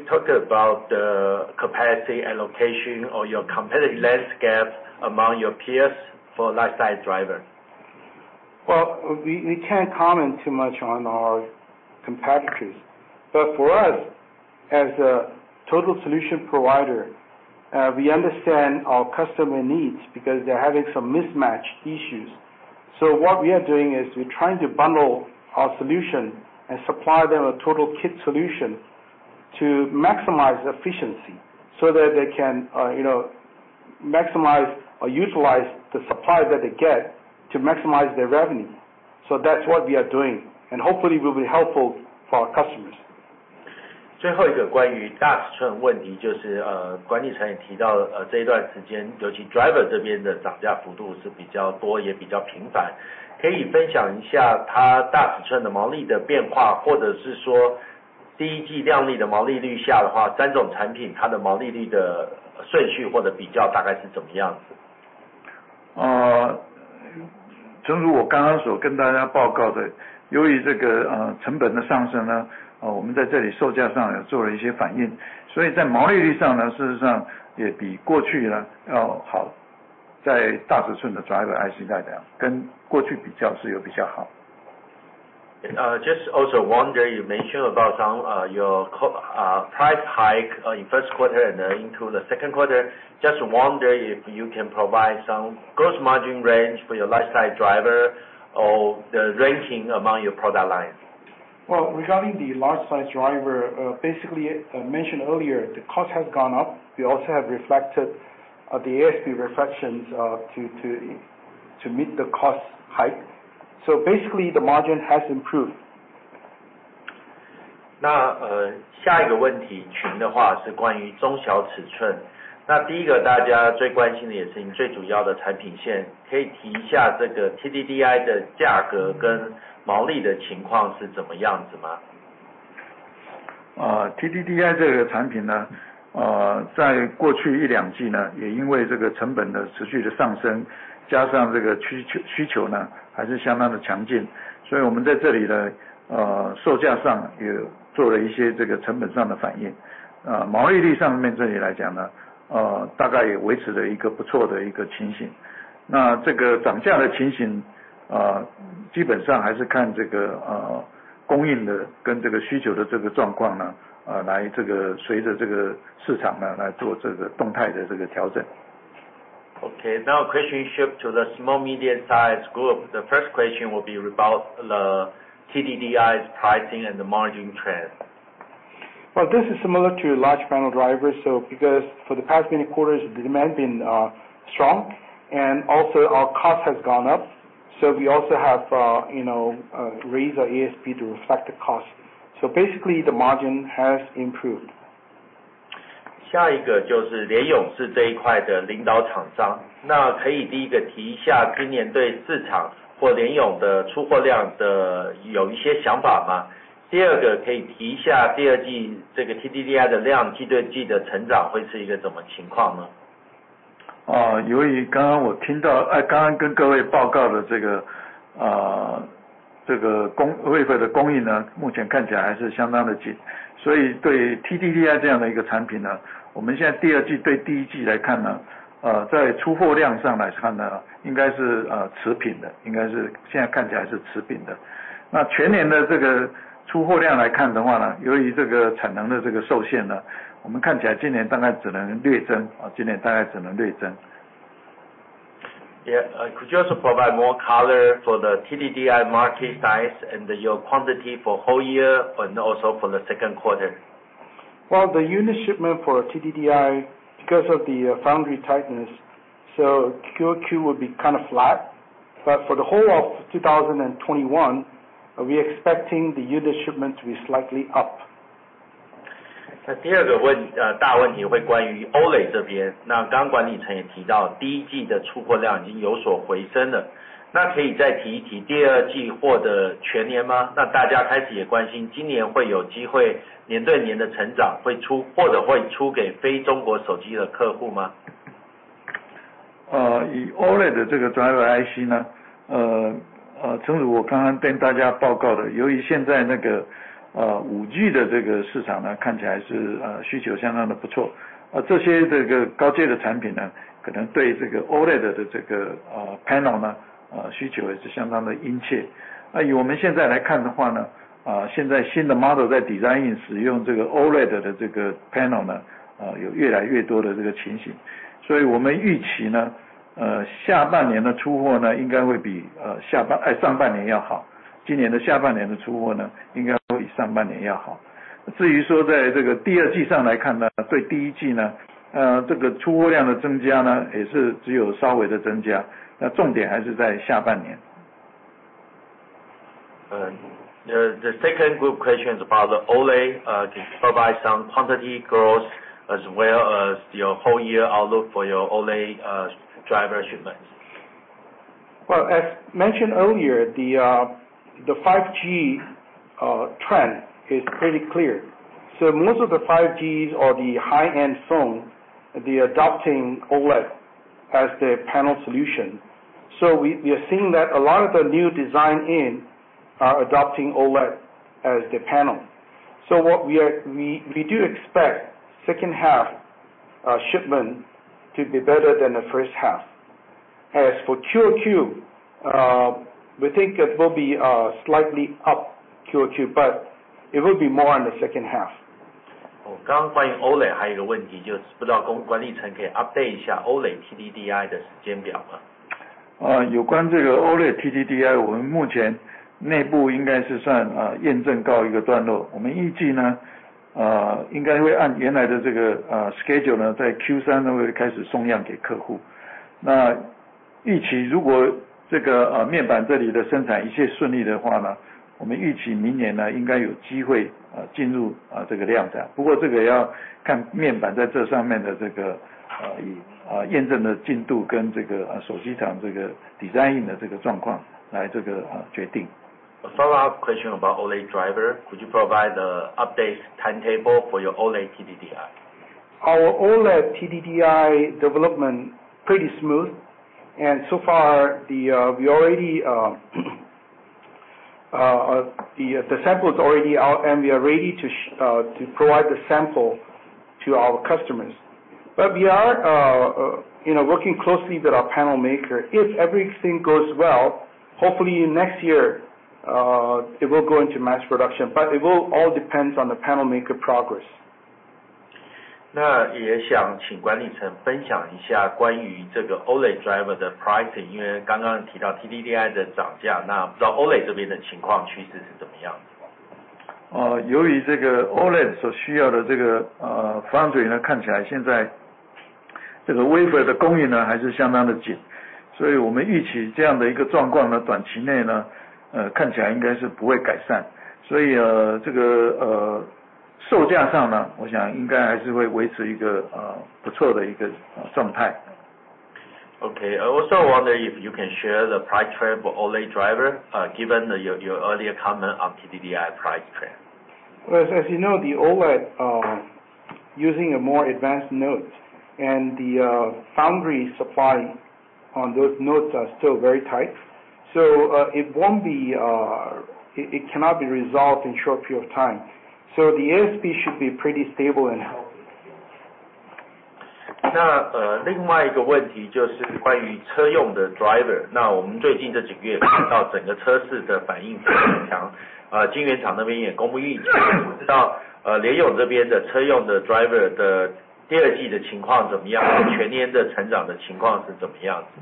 talk about the capacity allocation or your competitive landscape among your peers for lifecycle driver? Well, we can't comment too much on our competitors, but for us as a total solution provider, we understand our customer needs because they're having some mismatch issues. So what we are doing is we're trying to bundle our solution and supply them a total kit solution to maximize efficiency so that they can maximize or utilize the supply that they get to maximize their revenue. That's what we are doing, and hopefully it will be helpful for our customers. 诚如我刚刚所跟大家报告的，由于这个成本的上升呢，我们在这里售价上有做了一些反应，所以在毛利率上呢，事实上也比过去呢，要好。在大尺寸的driver IC来讲，跟过去比较是有比较好。Just also wonder you mentioned about your price hike in first quarter and then into the second quarter. Just wonder if you can provide some gross margin range for your lifecycle driver or the ranking among your product lines. Well, regarding the large size driver, basically mentioned earlier, the cost has gone up. We also have reflected the ASP reflections to meet the cost hike. So basically the margin has improved. Okay, now question shift to the small medium size group. The first question will be about the TDDI's pricing and the margin trend. Well, this is similar to large panel drivers, so because for the past many quarters the demand been strong and also our cost has gone up, so we also have, you know, raised our ASP to reflect the cost. So basically the margin has improved. 下一個就是聯詠是這一塊的領導廠商，那可以第一個提一下今年對市場或聯詠的出貨量的有一些想法嗎？第二個可以提一下第二季這個TDDI的量季對季的成長會是一個怎麼情況呢？ Yeah, could you also provide more color for the TDDI market size and your quantity for whole year and also for the second quarter? Well, the unit shipment for TDDI, because of the foundry tightness, so Q2 will be kind of flat, but for the whole of 2021, we are expecting the unit shipment to be slightly up. 第二个问题是关于OLED这边，那刚才管理层也提到第一季的出货量已经有所回升了，那可以再提一提第二季或者全年吗？那大家也关心今年会有机会年对年的成长，会出货给非中国手机的客户吗？ 以OLED的这个driver The second group question is about the OLED. Can you provide some quantity growth as well as your whole year outlook for your OLED driver shipments? Well, as mentioned earlier, the 5G trend is pretty clear, so most of the 5Gs or the high-end phones, they are adopting OLED as their panel solution. So we are seeing that a lot of the new design-in are adopting OLED as their panel. So what we do expect second half shipment to be better than the first half. As for Q2, we think it will be slightly up Q2, but it will be more in the second half. 刚刚关于OLED还有一个问题，就是不知道管理层可以update一下OLED TDDI的时间表吗？ 有关这个OLED TDDI，我们目前内部应该是算验证告一个段落，我们预计呢，应该会按原来的这个schedule呢，在Q3呢，会开始送样给客户。那预期如果这个面板这里的生产一切顺利的话呢，我们预期明年呢，应该有机会进入这个量产，不过这个要看面板在这上面的这个验证的进度跟这个手机厂这个design-in的这个状况来这个决定。The follow-up question about OLED driver, could you provide the update timetable for your OLED TDDI? Our OLED TDDI development is pretty smooth, and so far the sample is already out, and we are ready to provide the sample to our customers, but we are working closely with our panel maker. If everything goes well, hopefully next year it will go into mass production, but it will all depend on the panel maker progress. 那也想请管理层分享一下关于这个OLED driver的pricing，因为刚刚提到TDDI的涨价，那不知道OLED这边的情况趋势是怎么样子。由于这个OLED所需要的这个foundry呢，看起来现在这个wafer的供应呢，还是相当的紧，所以我们预期这样的一个状况呢，短期内呢，看起来应该是不会改善，所以这个售价上呢，我想应该还是会维持一个不错的一个状态。Okay, I also wonder if you can share the price trend for OLED driver, given your earlier comment on TDDI price trend. As you know, the OLED using a more advanced nodes and the foundry supply on those nodes are still very tight, so it cannot be resolved in a short period of time, so the ASP should be pretty stable and healthy. 那另外一个问题就是关于车用的driver，那我们最近这几个月看到整个车市的反应非常强，晶圆厂那边也公布预期，不知道联咏这边的车用的driver的第二季的情况怎么样，全年的成长的情况是怎么样子。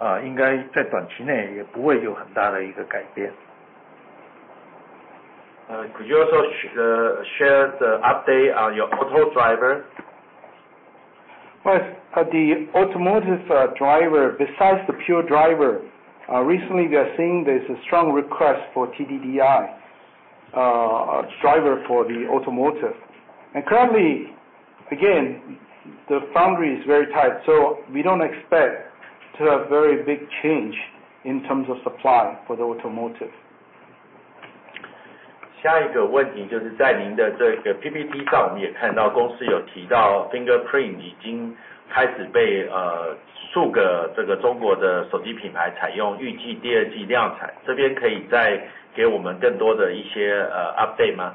Could you also share the update on your auto driver? Well, the automotive driver besides the pure driver, recently we are seeing there's a strong request for TDDI driver for the automotive, and currently, again, the foundry is very tight, so we don't expect to have very big change in terms of supply for the automotive. 下一个问题就是在您的这个PPT上我们也看到公司有提到Fingerprint已经开始被数个中国的手机品牌采用，预计第二季量产，这边可以再给我们更多的一些update吗？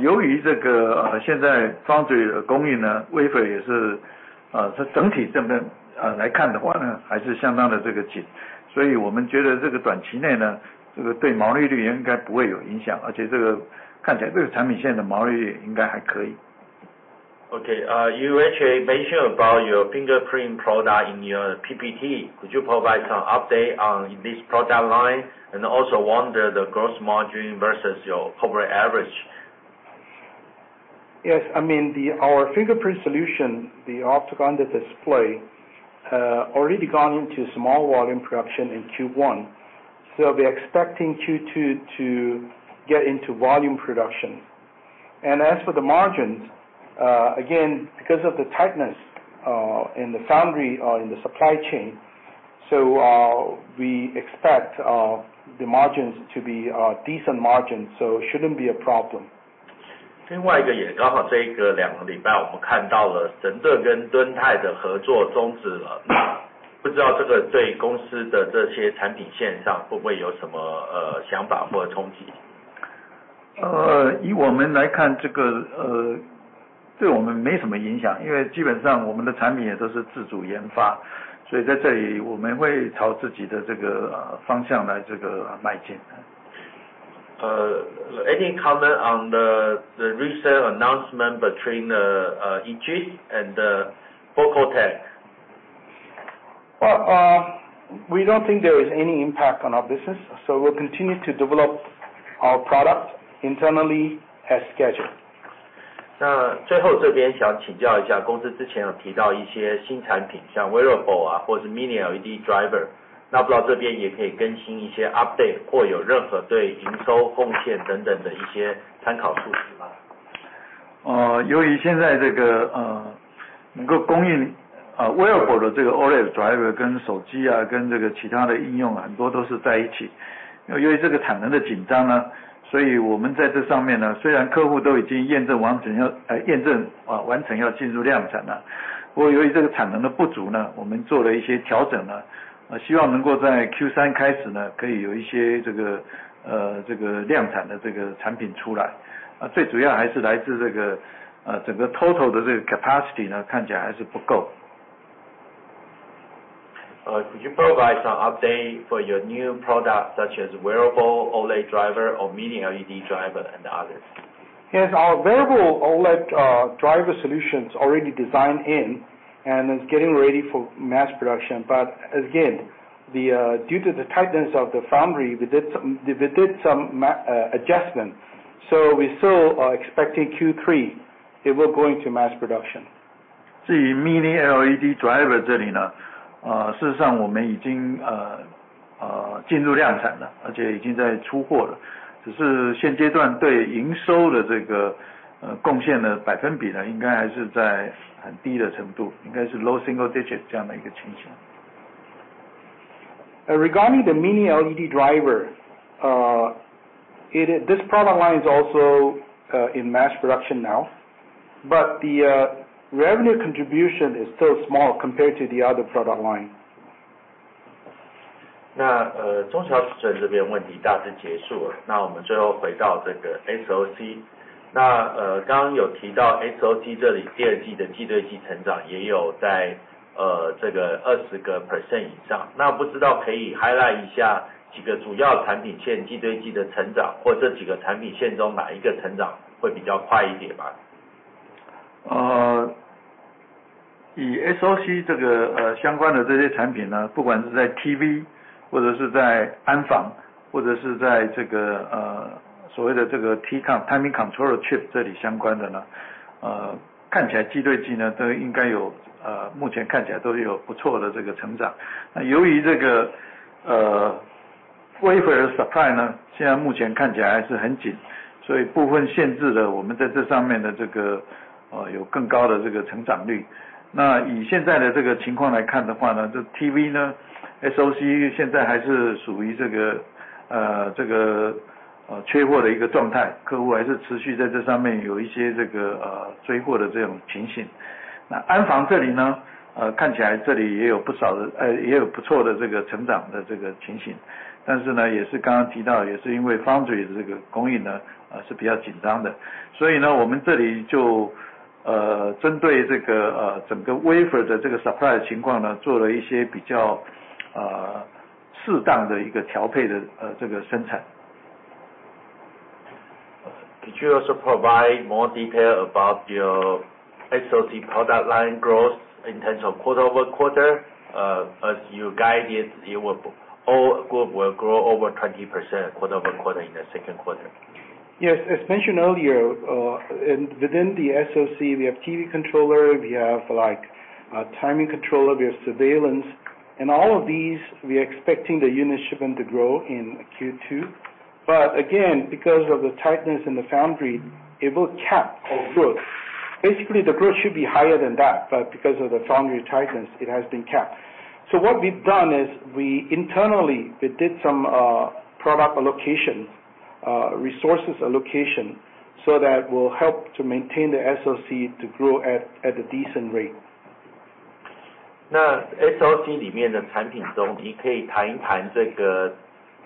由于现在foundry的供应，wafer也是整体这边来看的话还是相当的紧，所以我们觉得短期内对毛利率应该不会有影响，而且看起来这个产品线的毛利率应该还可以。Okay, you mentioned about your Fingerprint product in your PPT, could you provide some update on this product line and also wonder the gross margin versus your average? Yes, I mean our Fingerprint solution, the optic on the display, already gone into small volume production in Q1, so we are expecting Q2 to get into volume production, and as for the margins, again, because of the tightness in the foundry or in the supply chain, so we expect the margins to be decent margins, so it shouldn't be a problem. Any comment on the recent announcement between Egis and the FocalTech? Well, we don't think there is any impact on our business, so we'll continue to develop our product internally as scheduled. 那最後這邊想請教一下公司之前有提到一些新產品像wafer或是Mini LED driver，那不知道這邊也可以更新一些update或有任何對營收貢獻等等的一些參考數值嗎？ 由於現在這個能夠供應wafer的這個OLED driver跟手機啊，跟這個其他的應用很多都是在一起，那由於這個產能的緊張呢，所以我們在這上面呢，雖然客戶都已經驗證完整要驗證完成要進入量產了，不過由於這個產能的不足呢，我們做了一些調整呢，希望能夠在Q3開始呢，可以有一些這個這個量產的這個產品出來，那最主要還是來自這個整個Total的這個Capacity呢，看起來還是不夠。Could you provide some update for your new product such as wearable OLED driver or Mini LED driver and others? Yes, our wearable OLED driver solution is already designed in and is getting ready for mass production, but again, due to the tightness of the foundry, we did some adjustment, so we're still expecting Q3 it will go into mass production. 至于Mini LED driver这里呢，事实上我们已经进入量产了，而且已经在出货了，只是现阶段对营收的这个贡献的百分比呢，应该还是在很低的程度，应该是low single digit这样的一个情形。Regarding the Mini LED driver, this product line is also in mass production now, but the revenue contribution is still small compared to the other product line. 那中小企业这边问题大致结束了，那我们最后回到这个SoC，那刚刚有提到SoC这里第二季的季对季成长也有在这个20%以上，那不知道可以highlight一下几个主要产品线季对季的成长，或这几个产品线中哪一个成长会比较快一点吗？ 以SoC这个相关的这些产品呢，不管是在TV或者是在安防，或者是在这个所谓的这个Timing Controller Could you also provide more detail about your SoC product line growth in terms of quarter over quarter as you guide it, it will all will grow over 20% quarter over quarter in the second quarter? Yes, as mentioned earlier, and within the SoC we have TV controller, we have like timing controller, we have surveillance, and all of these we are expecting the unit shipment to grow in Q2, but again because of the tightness in the foundry it will cap our growth, basically the growth should be higher than that, but because of the foundry tightness it has been capped, so what we've done is we internally we did some product allocation, resources allocation so that will help to maintain the SoC to grow at a decent rate.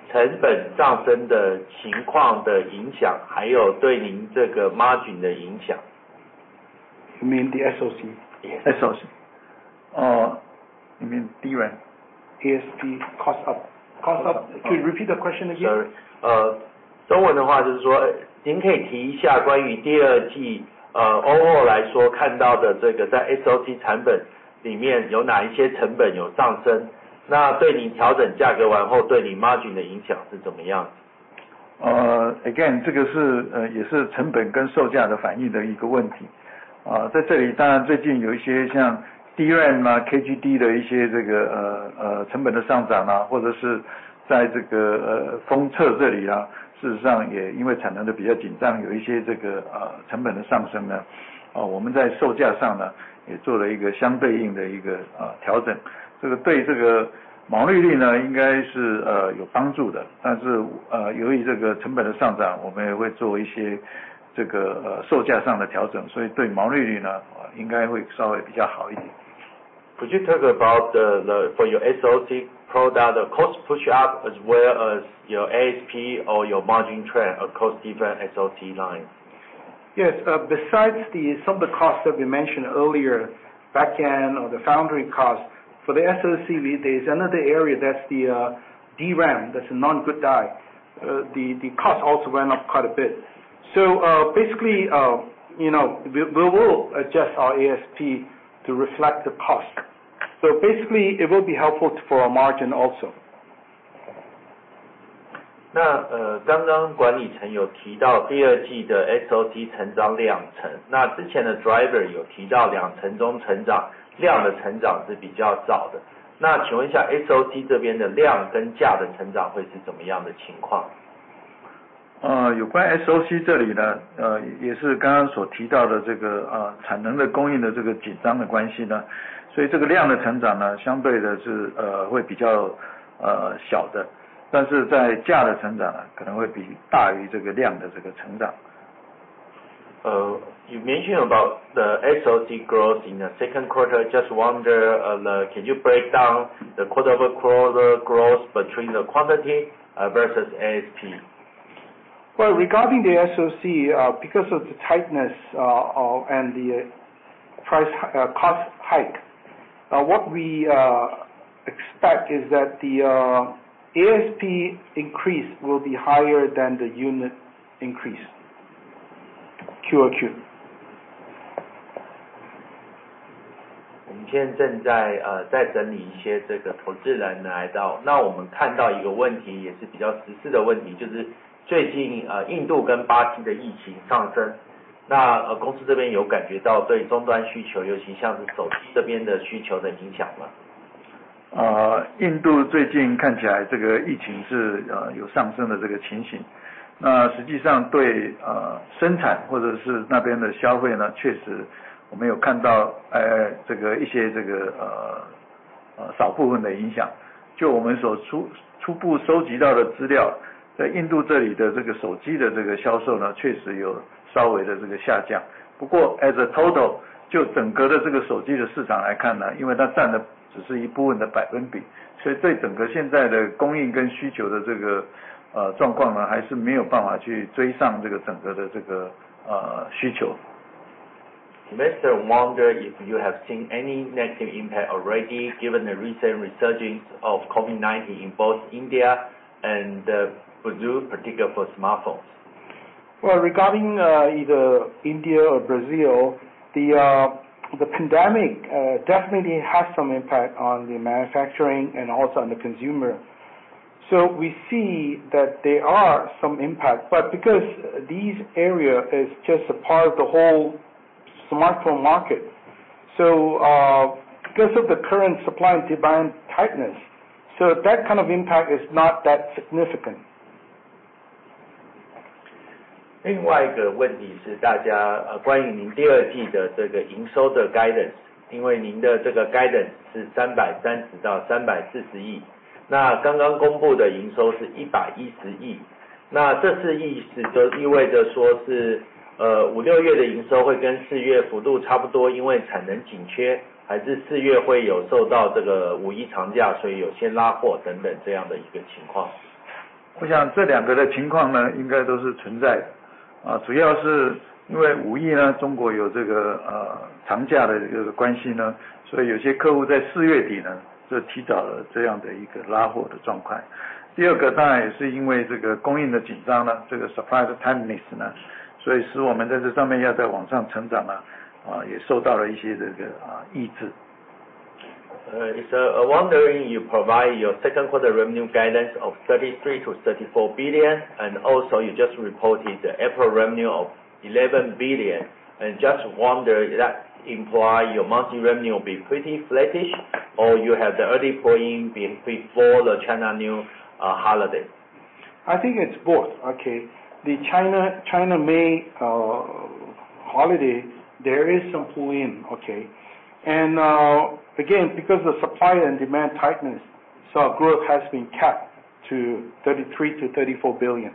那SoC里面的产品中你可以谈一谈这个成本上升的情况的影响还有对您这个margin的影响。You mean the SoC? Yes, SoC。呃，你们第一位ASP cost up，cost up， could you repeat the question again？ 呃，中文的话就是说您可以提一下关于第二季呃overall来说看到的这个在SOC产品里面有哪一些成本有上升，那对你调整价格完后对你margin的影响是怎么样子？ Could you talk about the for your SoC product the cost push up as well as your ASP or your margin trend across different SoC lines? Yes, besides some of the costs that we mentioned earlier backend or the foundry cost for the SoC there is another area that's the DRAM that's a Known Good Die, the cost also went up quite a bit, so basically we will adjust our ASP to reflect the cost, so basically it will be helpful for our margin also. You mentioned about the SoC growth in the second quarter just wonder can you break down the quarter over quarter growth between the quantity versus ASP? Well, regarding the SoC because of the tightness and the price cost hike what we expect is that the ASP increase will be higher than the unit increase Q2Q。我们现在正在在整理一些这个投资人来到，那我们看到一个问题也是比较时事的问题就是最近印度跟巴西的疫情上升，那公司这边有感觉到对终端需求尤其像是手机这边的需求的影响吗？ 印度最近看起来这个疫情是有上升的这个情形，那实际上对生产或者是那边的消费呢确实我们有看到这个一些这个少部分的影响，就我们所初步收集到的资料在印度这里的这个手机的这个销售呢确实有稍微的这个下降，不过as a total就整个的这个手机的市场来看呢因为它占的只是一部分的百分比，所以对整个现在的供应跟需求的这个状况呢还是没有办法去追上这个整个的这个需求。You mentioned wonder if you have seen any negative impact already given the recent resurgence of COVID-19 in both India and Brazil, particular for smartphones? Well, regarding either India or Brazil, the pandemic definitely has some impact on the manufacturing and also on the consumer, so we see that there are some impact. But because these areas are just a part of the whole smartphone market, so because of the current supply and demand tightness, so that kind of impact is not that significant. 我想这两个的情况呢应该都是存在的，主要是因为五一呢中国有这个长假的这个关系呢，所以有些客户在四月底呢就提早了这样的一个拉货的状况。第二个当然也是因为这个供应的紧张呢这个supply tightness呢，所以使我们在这上面要在往上成长呢也受到了一些这个抑制。It's wondering you provide your second quarter revenue guidance of ¥33 to ¥34 billion and also you just reported the April revenue of ¥11 billion and just wonder that imply your monthly revenue will be pretty flattish or you have the early pull in before the China New Holiday. I think it's both okay the China China May holiday there is some pull in okay and again because the supply and demand tightness so growth has been capped to ¥33 to ¥34 billion.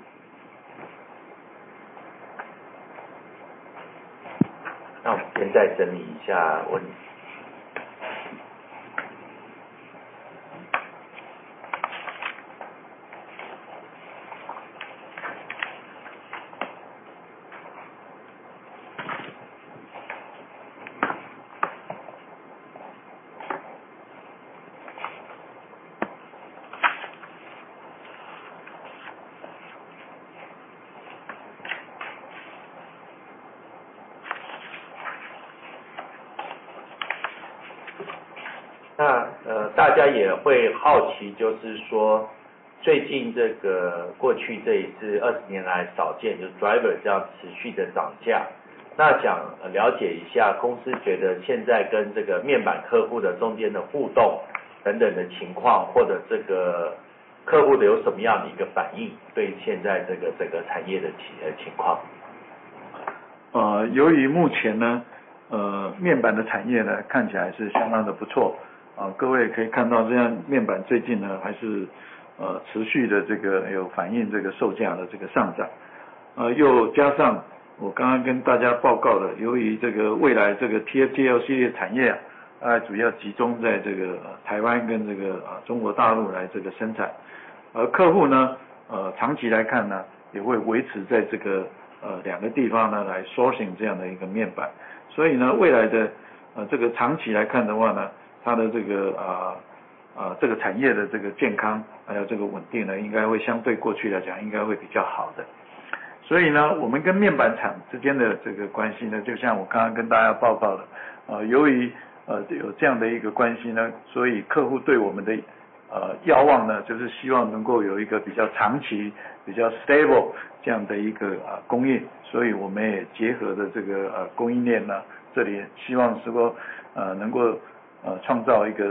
You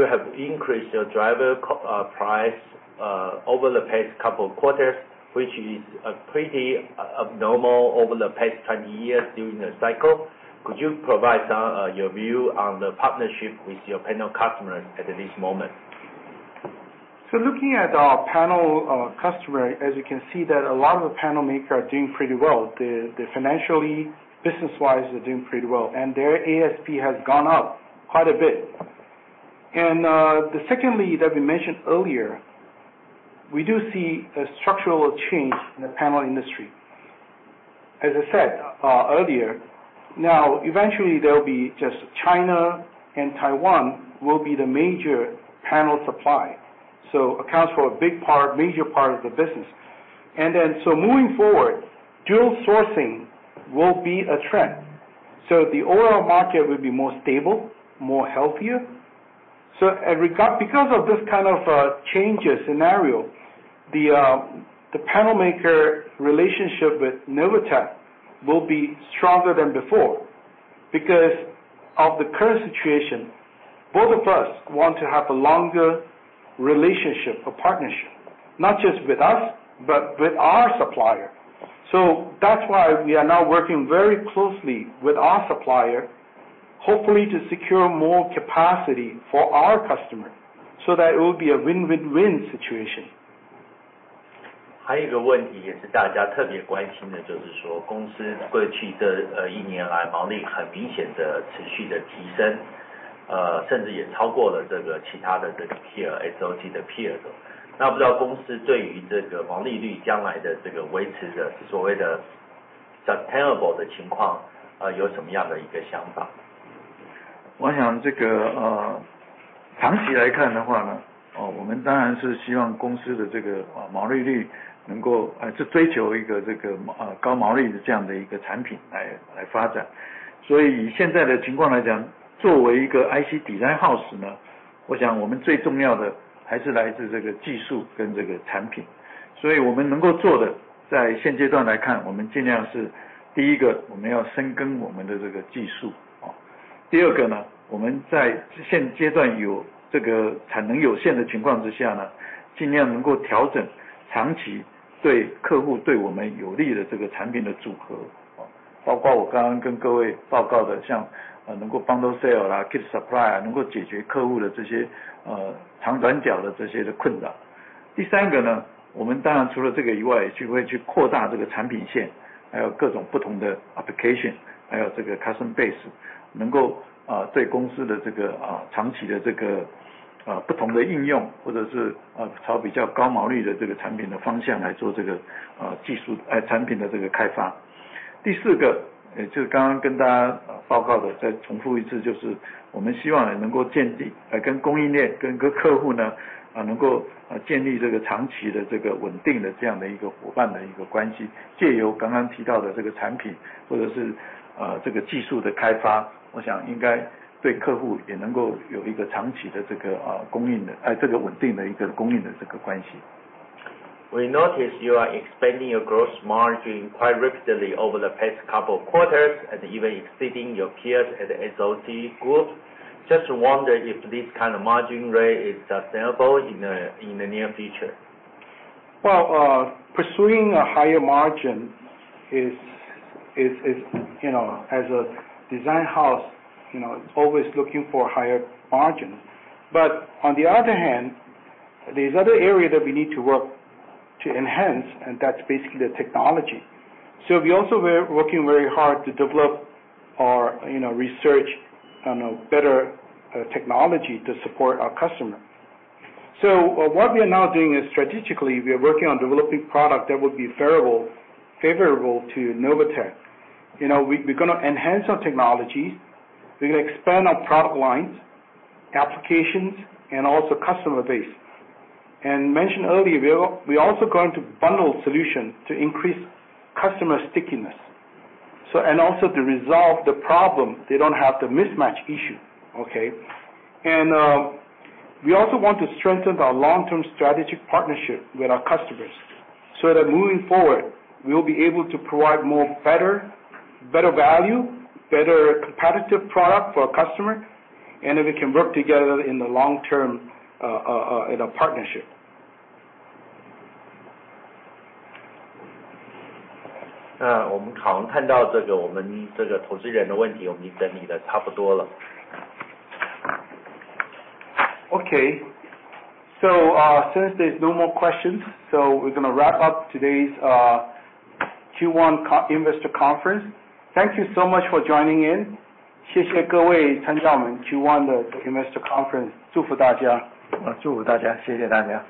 have increased your driver price over the past couple of quarters which is pretty abnormal over the past 20 years during the cycle. Could you provide your view on the partnership with your panel customers at this moment? Looking at our panel customer, as you can see that a lot of the panel makers are doing pretty well financially. Business wise, they're doing pretty well and their ASP has gone up quite a bit. Secondly, that we mentioned earlier, we do see a structural change in the panel industry. As I said earlier, now eventually there will be just China and Taiwan will be the major panel supply, so accounts for a big part, major part of the business. Moving forward, dual sourcing will be a trend so the overall market will be more stable, more healthier. Because of this kind of changes scenario, the panel maker relationship with Novatek will be stronger than before because of the current situation. Both of us want to have a longer relationship, a partnership not just with us but with our supplier. That's why we are now working very closely with our supplier, hopefully to secure more capacity for our customer so that it will be a win-win-win situation. 还有一个问题也是大家特别关心的，就是说公司过去这一年来毛利很明显的持续的提升，甚至也超过了这个其他的这个Peer design house呢，我想我们最重要的还是来自这个技术跟这个产品。所以我们能够做的在现阶段来看，我们尽量是第一个我们要深耕我们的这个技术。第二个呢，我们在现阶段有这个产能有限的情况之下呢，尽量能够调整长期对客户对我们有利的这个产品的组合，包括我刚刚跟各位报告的像能够bundle sale啦，kit supply啊，能够解决客户的这些长短角的这些的困扰。第三个呢，我们当然除了这个以外就会去扩大这个产品线还有各种不同的application还有这个customer We notice you are expanding your gross margin quite rapidly over the past couple of quarters and even exceeding your peers at the SoC group. Just wonder if this kind of margin rate is sustainable in the near future? Well, pursuing a higher margin is, you know, as a design house, you know, always looking for higher margin. But on the other hand, there's other area that we need to work to enhance and that's basically the technology. So we also working very hard to develop our, you know, research on a better technology to support our customer. So what we are now doing is strategically we are working on developing product that will be variable favorable to Novatek. You know, we're going to enhance our technologies, we're going to expand our product lines, applications and also customer base. And mentioned earlier, we're also going to bundle solution to increase customer stickiness and also to resolve the problem they don't have the mismatch issue. And we also want to strengthen our long-term strategic partnership with our customers so that moving forward we'll be able to provide more better, better value, better competitive product for our customer. And if we can work together in the long term in a partnership. 那我们好像看到这个我们这个投资人的问题我们整理的差不多了。Okay, so since there's no more questions, so we're going to wrap up today's Q1 investor conference. Thank you so much for joining in. 谢谢各位参加我们Q1的investor conference，祝福大家，祝福大家，谢谢大家。